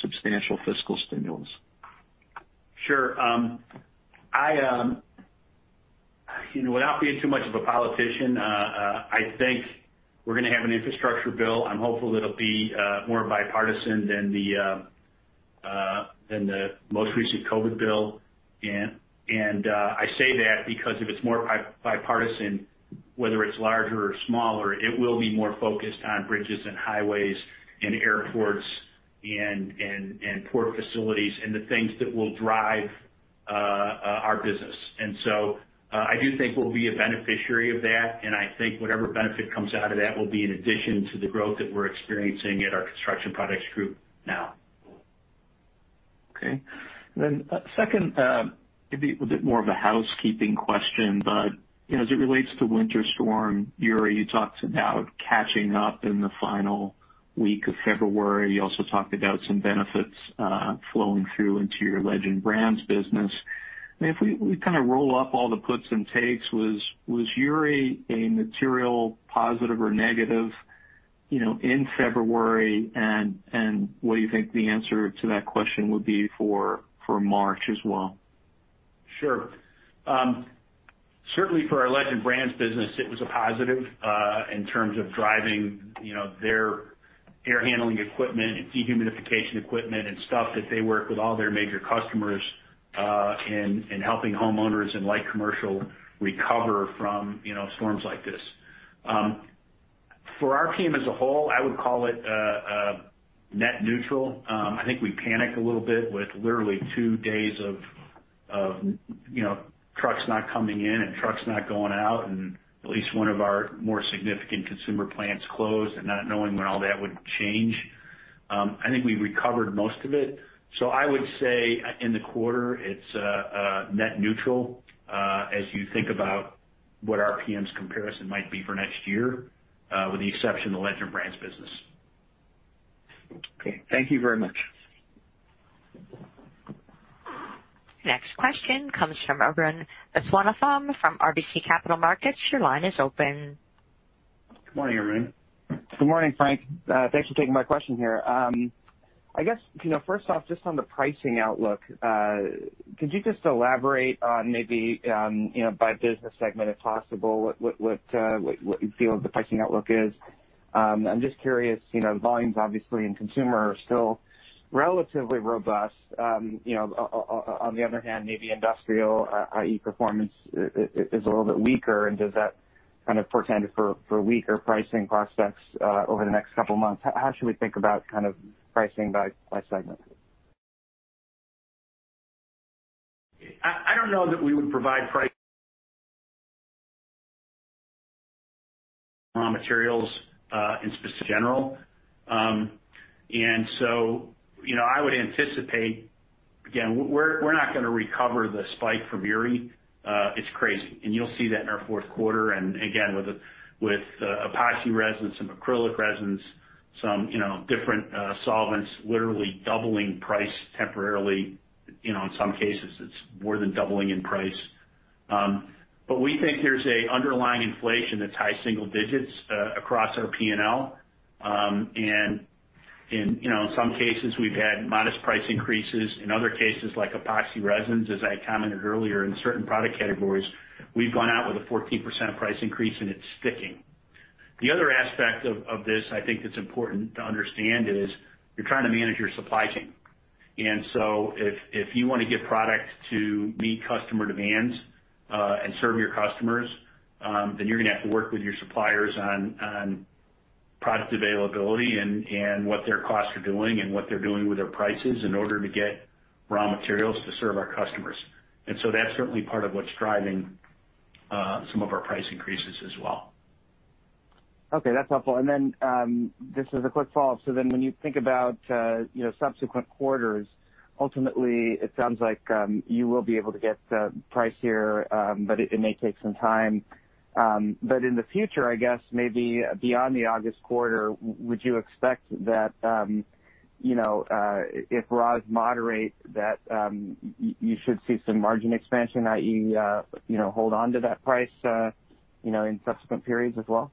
substantial fiscal stimulus? Sure. Without being too much of a politician, I think we're going to have an infrastructure bill. I'm hopeful it'll be more bipartisan than the most recent COVID bill. I say that because if it's more bipartisan, whether it's larger or smaller, it will be more focused on bridges and highways and airports and port facilities and the things that will drive our business. I do think we'll be a beneficiary of that, and I think whatever benefit comes out of that will be in addition to the growth that we're experiencing at our Construction Products Group now. Okay. Second, it'd be a bit more of a housekeeping question. As it relates to Winter Storm Uri, you talked about catching up in the final week of February. You also talked about some benefits flowing through into your Legend Brands business. If we roll up all the puts and takes, was Uri a material positive or negative in February, and what do you think the answer to that question would be for March as well? Sure. Certainly for our Legend Brands business, it was a positive in terms of driving their air handling equipment and dehumidification equipment and stuff that they work with all their major customers in helping homeowners in light commercial recover from storms like this. For our team as a whole, I would call it net neutral. I think we panicked a little bit with literally two days of trucks not coming in and trucks not going out, and at least one of our more significant consumer plants closed and not knowing when all that would change. I think we recovered most of it. I would say in the quarter, it's net neutral as you think about what RPM's comparison might be for next year, with the exception of Legend Brands business. Okay. Thank you very much. Next question comes from Arun Viswanathan from RBC Capital Markets. Your line is open. Good morning, Arun. Good morning, Frank. Thanks for taking my question here. I guess, first off, just on the pricing outlook, could you just elaborate on maybe by business segment, if possible, what you feel the pricing outlook is? I'm just curious, volumes obviously in Consumer are still relatively robust. On the other hand, maybe industrial, i.e. Performance is a little bit weaker. Does that kind of portend for weaker pricing prospects over the next couple of months? How should we think about kind of pricing by segment? I don't know that we would provide raw materials in specific general. I would anticipate, again, we're not going to recover the spike from Uri. It's crazy. You'll see that in our fourth quarter. Again, with epoxy resins, some acrylic resins, some different solvents, literally doubling price temporarily. In some cases, it's more than doubling in price. We think there's a underlying inflation that's high single digits across our P&L. In some cases, we've had modest price increases. In other cases, like epoxy resins, as I commented earlier, in certain product categories, we've gone out with a 14% price increase, and it's sticking. The other aspect of this I think that's important to understand is you're trying to manage your supply chain. If you want to get product to meet customer demands and serve your customers, then you're going to have to work with your suppliers on product availability and what their costs are doing and what they're doing with their prices in order to get raw materials to serve our customers. That's certainly part of what's driving some of our price increases as well. Okay, that's helpful. This is a quick follow-up. When you think about subsequent quarters, ultimately, it sounds like you will be able to get price here, but it may take some time. In the future, I guess maybe beyond the August quarter, would you expect that if raws moderate, that you should see some margin expansion, i.e., hold onto that price in subsequent periods as well?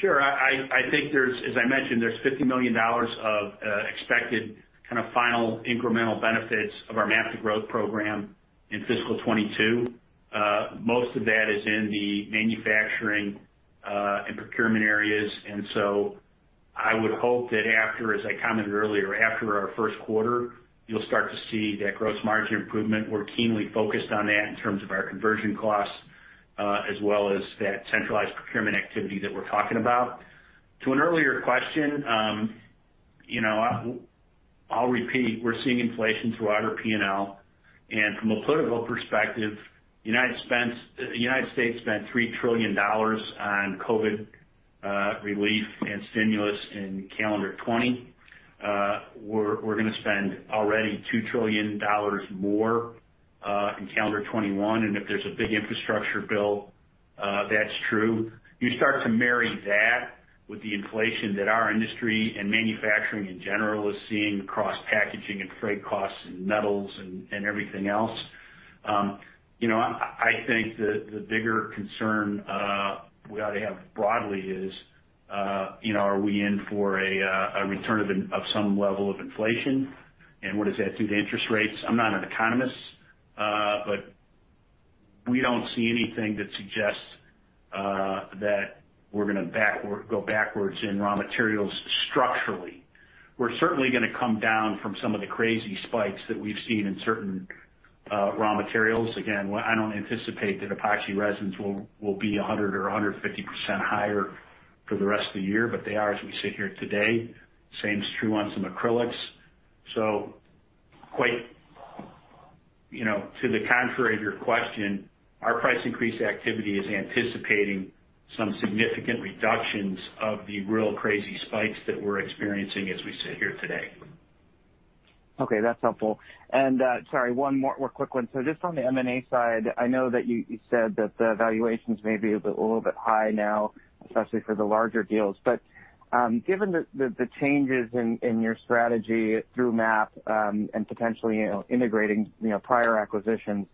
Sure. I think, as I mentioned, there's $50 million of expected kind of final incremental benefits of our MAP to Growth program in fiscal 2022. Most of that is in the manufacturing and procurement areas. I would hope that after, as I commented earlier, after our first quarter, you'll start to see that gross margin improvement. We're keenly focused on that in terms of our conversion costs as well as that centralized procurement activity that we're talking about. To an earlier question, I'll repeat. We're seeing inflation throughout our P&L. From a political perspective, the U.S. spent $3 trillion on COVID relief and stimulus in calendar 2020. We're going to spend already $2 trillion more in calendar 2021. If there's a big infrastructure bill, that's true. You start to marry that with the inflation that our industry and manufacturing in general is seeing across packaging and freight costs and metals and everything else. I think the bigger concern we ought to have broadly is are we in for a return of some level of inflation? What does that do to interest rates? I'm not an economist, but we don't see anything that suggests that we're going to go backwards in raw materials structurally. We're certainly going to come down from some of the crazy spikes that we've seen in certain raw materials. Again, I don't anticipate that epoxy resins will be 100% or 150% higher for the rest of the year, but they are as we sit here today. Same is true on some acrylics. Quite to the contrary of your question, our price increase activity is anticipating some significant reductions of the real crazy spikes that we're experiencing as we sit here today. Okay, that's helpful. Sorry, one more quick one. Just on the M&A side, I know that you said that the valuations may be a little bit high now, especially for the larger deals. Given the changes in your strategy through MAP and potentially integrating prior acquisitions,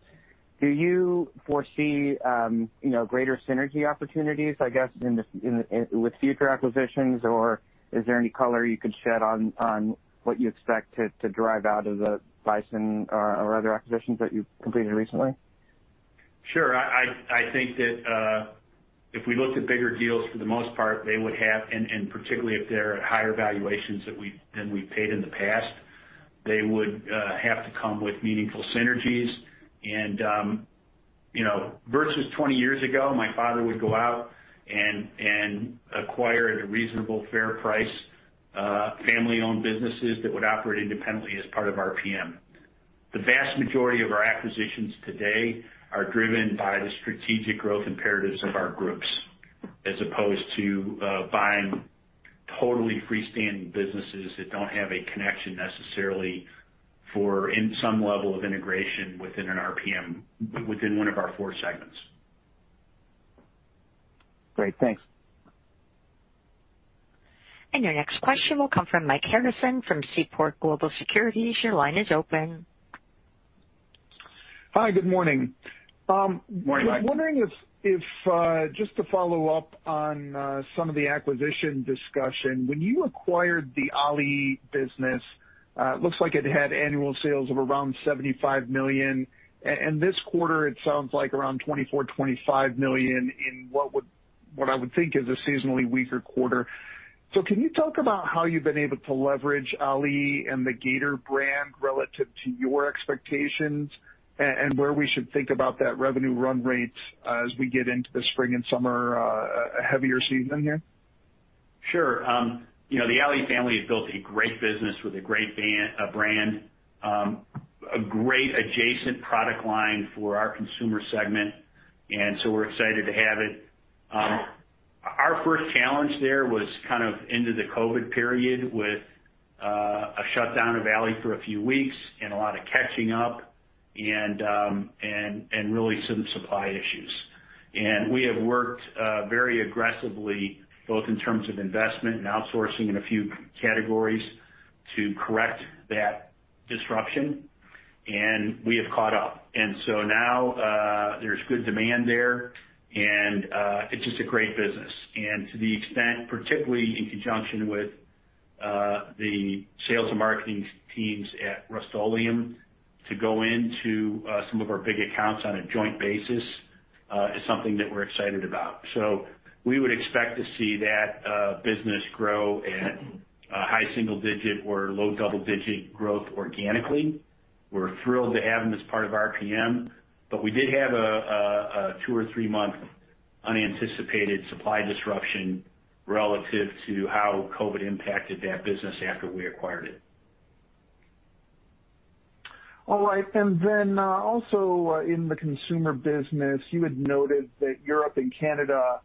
do you foresee greater synergy opportunities, I guess, with future acquisitions? Is there any color you could shed on what you expect to derive out of the Bison or other acquisitions that you've completed recently? Sure. I think that if we looked at bigger deals, for the most part, they would have, and particularly if they're at higher valuations than we've paid in the past, they would have to come with meaningful synergies. Versus 20 years ago, my father would go out and acquire at a reasonable fair price family-owned businesses that would operate independently as part of RPM. The vast majority of our acquisitions today are driven by the strategic growth imperatives of our groups, as opposed to buying totally freestanding businesses that don't have a connection necessarily for in some level of integration within an RPM within one of our four segments. Great. Thanks. Your next question will come from Michael Harrison from Seaport Research Partners. Your line is open. Hi, good morning. Morning, Mike. I was wondering if just to follow up on some of the acquisition discussion. When you acquired the Ali business, looks like it had annual sales of around $75 million. This quarter, it sounds like around $24, $25 million in what I would think is a seasonally weaker quarter. Can you talk about how you've been able to leverage Ali and the Gator brand relative to your expectations and where we should think about that revenue run rate as we get into the spring and summer heavier season here? Sure. The Ali family has built a great business with a great brand, a great adjacent product line for our Consumer Group, we're excited to have it. Our first challenge there was kind of into the COVID-19 period with a shutdown of Ali for a few weeks and a lot of catching up and really some supply issues. We have worked very aggressively, both in terms of investment and outsourcing in a few categories to correct that disruption, and we have caught up. Now there's good demand there and it's just a great business. To the extent, particularly in conjunction with the sales and marketing teams at Rust-Oleum, to go into some of our big accounts on a joint basis is something that we're excited about. We would expect to see that business grow at a high single digit or low double digit growth organically. We're thrilled to have them as part of RPM, but we did have a two or three-month unanticipated supply disruption relative to how COVID impacted that business after we acquired it. All right. Also in the consumer business, you had noted that Europe and Canada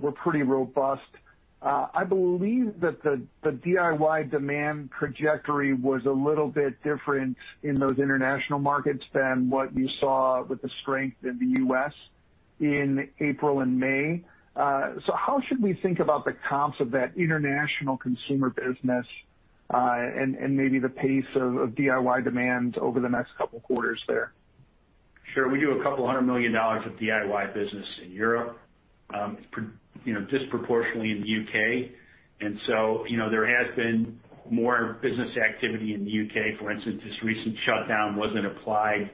were pretty robust. I believe that the DIY demand trajectory was a little bit different in those international markets than what you saw with the strength in the U.S. in April and May. How should we think about the comps of that international consumer business and maybe the pace of DIY demand over the next couple of quarters there? Sure. We do a couple hundred million dollars of DIY business in Europe, disproportionately in the U.K. There has been more business activity in the U.K. For instance, this recent shutdown wasn't applied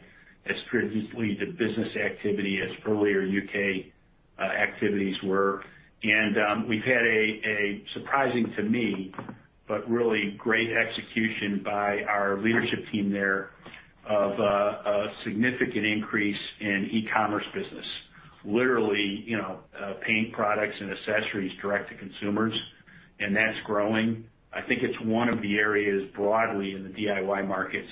as previously to business activity as earlier U.K. activities were. We've had a surprising to me, but really great execution by our leadership team there of a significant increase in e-commerce business. Literally, paint products and accessories direct to consumers. That's growing. I think it's one of the areas broadly in the DIY markets,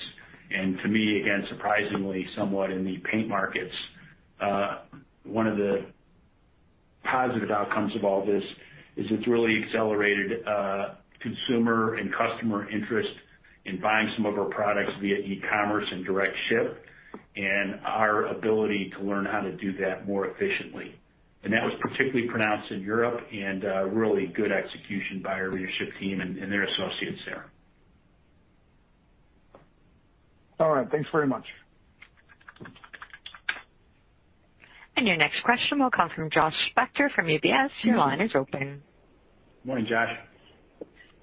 to me, again, surprisingly, somewhat in the paint markets. One of the positive outcomes of all this is it's really accelerated consumer and customer interest in buying some of our products via e-commerce and direct ship, our ability to learn how to do that more efficiently. That was particularly pronounced in Europe and really good execution by our leadership team and their associates there. All right. Thanks very much. Your next question will come from Joshua Spector from UBS. Your line is open. Morning, Josh.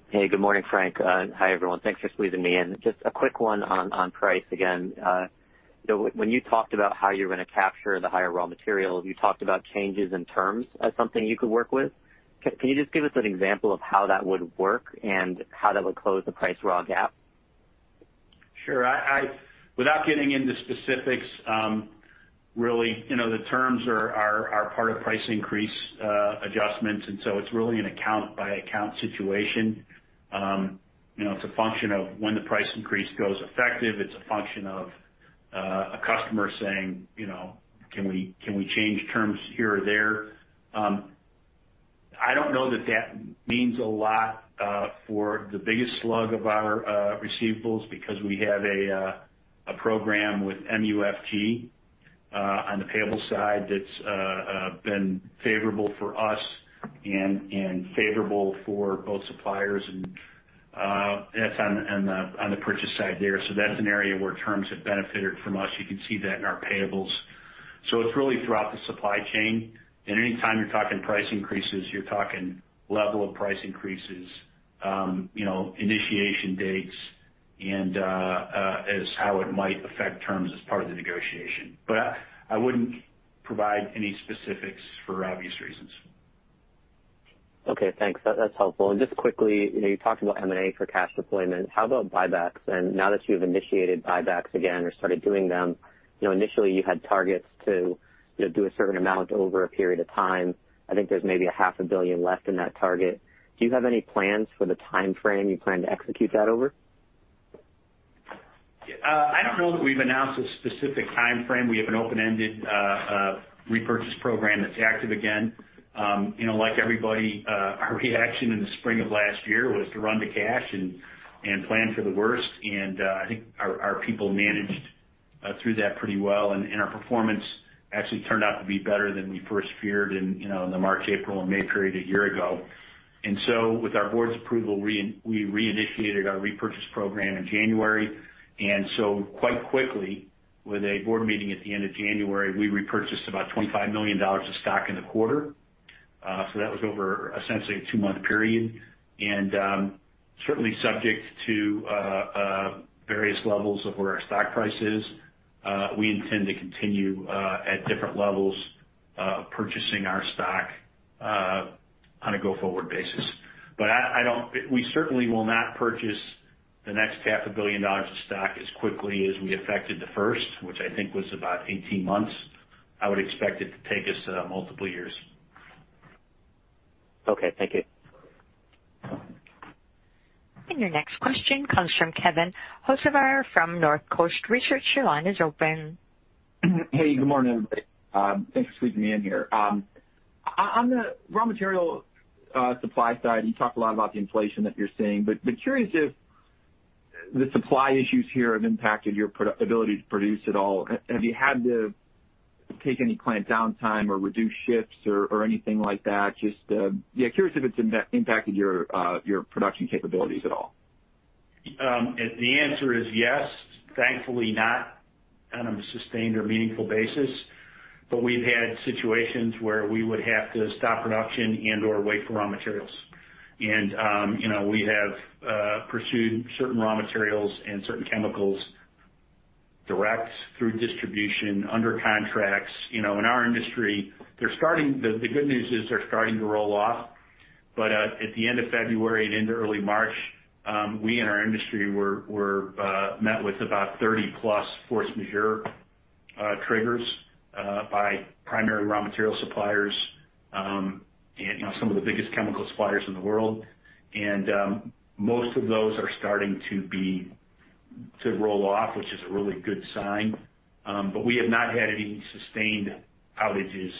Hey, good morning, Frank. Hi, everyone. Thanks for squeezing me in. Just a quick one on price again. When you talked about how you were going to capture the higher raw materials, you talked about changes in terms as something you could work with. Can you just give us an example of how that would work and how that would close the price raw gap? Sure. Without getting into specifics, really, the terms are part of price increase adjustments. It's really an account by account situation. It's a function of when the price increase goes effective. It's a function of a customer saying, "Can we change terms here or there?" I don't know that that means a lot for the biggest slug of our receivables because we have a program with MUFG on the payable side that's been favorable for us and favorable for both suppliers, and that's on the purchase side there. That's an area where terms have benefited from us. You can see that in our payables. It's really throughout the supply chain. Any time you're talking price increases, you're talking level of price increases, initiation dates, and as how it might affect terms as part of the negotiation. I wouldn't provide any specifics for obvious reasons. Okay, thanks. Just quickly, you talked about M&A for cash deployment. How about buybacks? Now that you've initiated buybacks again or started doing them, initially you had targets to do a certain amount over a period of time. I think there's maybe a half a billion left in that target. Do you have any plans for the timeframe you plan to execute that over? I don't know that we've announced a specific timeframe. We have an open-ended repurchase program that's active again. Like everybody, our reaction in the spring of last year was to run to cash and plan for the worst, and I think our people managed through that pretty well, and our performance actually turned out to be better than we first feared in the March, April, and May period a year ago. With our board's approval, we reinitiated our repurchase program in January, and so quite quickly, with a board meeting at the end of January, we repurchased about $25 million of stock in the quarter. So that was over essentially a two-month period. Certainly subject to various levels of where our stock price is. We intend to continue at different levels, purchasing our stock on a go-forward basis. We certainly will not purchase the next half a billion dollars of stock as quickly as we effected the first, which I think was about 18 months. I would expect it to take us multiple years. Okay. Thank you. Your next question comes from Kevin O'Rourke from North Coast Research. Your line is open. Hey, good morning, everybody. Thanks for squeezing me in here. On the raw material supply side, you talked a lot about the inflation that you're seeing, curious if the supply issues here have impacted your ability to produce at all. Have you had to take any plant downtime or reduce shifts or anything like that? Just, yeah, curious if it's impacted your production capabilities at all. The answer is yes. Thankfully not on a sustained or meaningful basis. We've had situations where we would have to stop production and/or wait for raw materials. We have pursued certain raw materials and certain chemicals direct through distribution under contracts. In our industry, the good news is they're starting to roll off, but at the end of February and into early March, we in our industry were met with about 30-plus force majeure triggers by primary raw material suppliers and some of the biggest chemical suppliers in the world. Most of those are starting to roll off, which is a really good sign. We have not had any sustained outages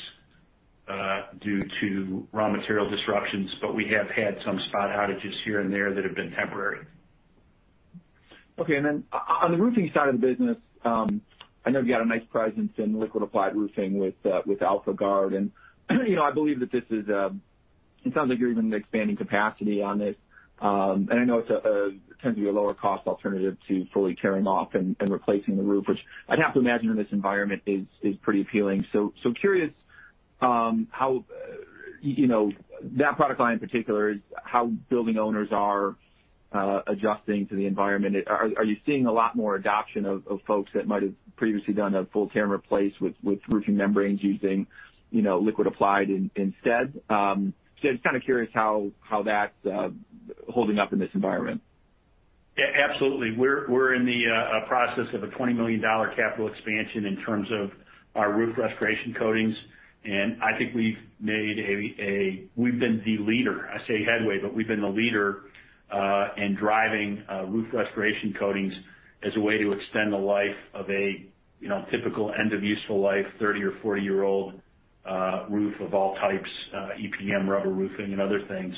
due to raw material disruptions, but we have had some spot outages here and there that have been temporary. Okay. On the roofing side of the business, I know you've got a nice presence in liquid applied roofing with AlphaGuard, and I believe that it sounds like you're even expanding capacity on this. I know it tends to be a lower cost alternative to fully tearing off and replacing the roof, which I'd have to imagine in this environment is pretty appealing. Curious how that product line in particular is how building owners are adjusting to the environment. Are you seeing a lot more adoption of folks that might have previously done a full tear and replace with roofing membranes using liquid applied instead? Just kind of curious how that's holding up in this environment. Yeah, absolutely. We're in the process of a $20 million capital expansion in terms of our roof restoration coatings. I think we've been the leader, I say Headway, but we've been the leader in driving roof restoration coatings as a way to extend the life of a typical end of useful life, 30 or 40-year-old roof of all types, EPDM, rubber roofing, and other things.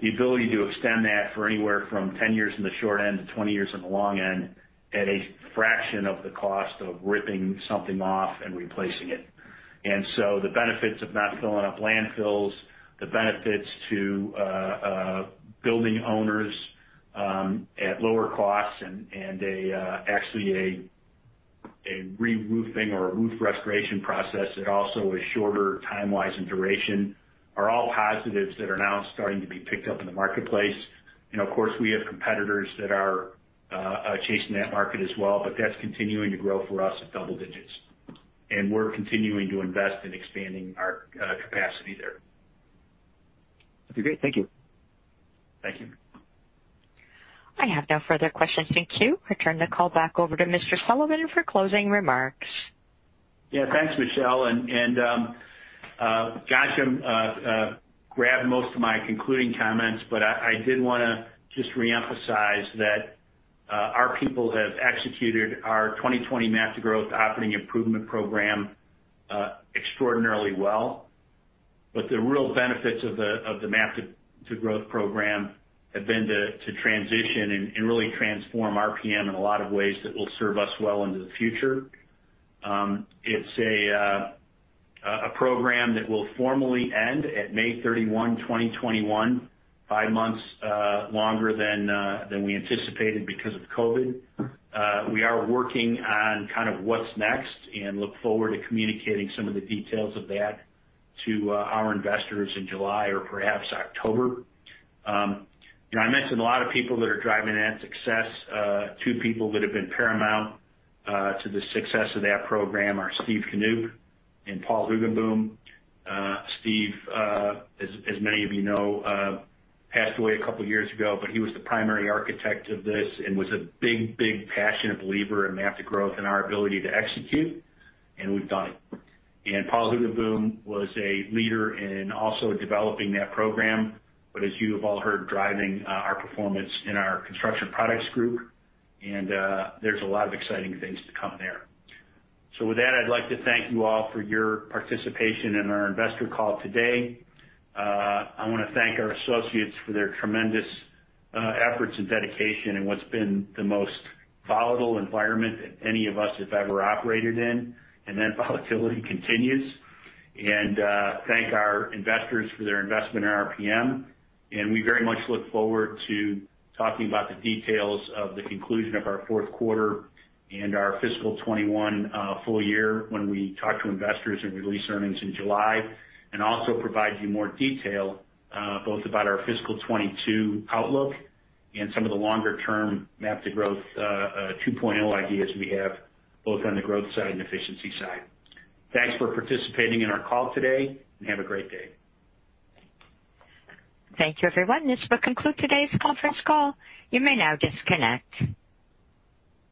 The ability to extend that for anywhere from 10 years in the short end to 20 years on the long end at a fraction of the cost of ripping something off and replacing it. The benefits of not filling up landfills, the benefits to building owners at lower costs and actually a reroofing or a roof restoration process that also is shorter time-wise in duration, are all positives that are now starting to be picked up in the marketplace. Of course, we have competitors that are chasing that market as well, but that's continuing to grow for us at double digits. We're continuing to invest in expanding our capacity there. Okay, great. Thank you. Thank you. I have no further questions in queue. Return the call back over to Mr. Sullivan for closing remarks. Yeah, thanks, Michelle. Ghansham grabbed most of my concluding comments, but I did want to just reemphasize that our people have executed our 2020 MAP to Growth operating improvement program extraordinarily well. The real benefits of the MAP to Growth program have been to transition and really transform RPM in a lot of ways that will serve us well into the future. It's a program that will formally end at May 31, 2021, five months longer than we anticipated because of COVID. We are working on what's next and look forward to communicating some of the details of that to our investors in July or perhaps October. I mentioned a lot of people that are driving that success. Two people that have been paramount to the success of that program are Steve Knuck and Paul Hoogenboom. Steve, as many of you know, passed away a couple of years ago, he was the primary architect of this and was a big, big passionate believer in MAP to Growth and our ability to execute, and we've done it. Paul Hoogenboom was a leader in also developing that program. As you have all heard, driving our performance in our Construction Products Group, and there's a lot of exciting things to come there. With that, I'd like to thank you all for your participation in our investor call today. I want to thank our associates for their tremendous efforts and dedication in what's been the most volatile environment that any of us have ever operated in, and that volatility continues. Thank our investors for their investment in RPM. We very much look forward to talking about the details of the conclusion of our fourth quarter and our fiscal 2021 full year when we talk to investors and release earnings in July. Also provide you more detail both about our fiscal 2022 outlook and some of the longer-term MAP to Growth 2.0 ideas we have, both on the growth side and efficiency side. Thanks for participating in our call today, and have a great day. Thank you, everyone. This will conclude today's conference call. You may now disconnect.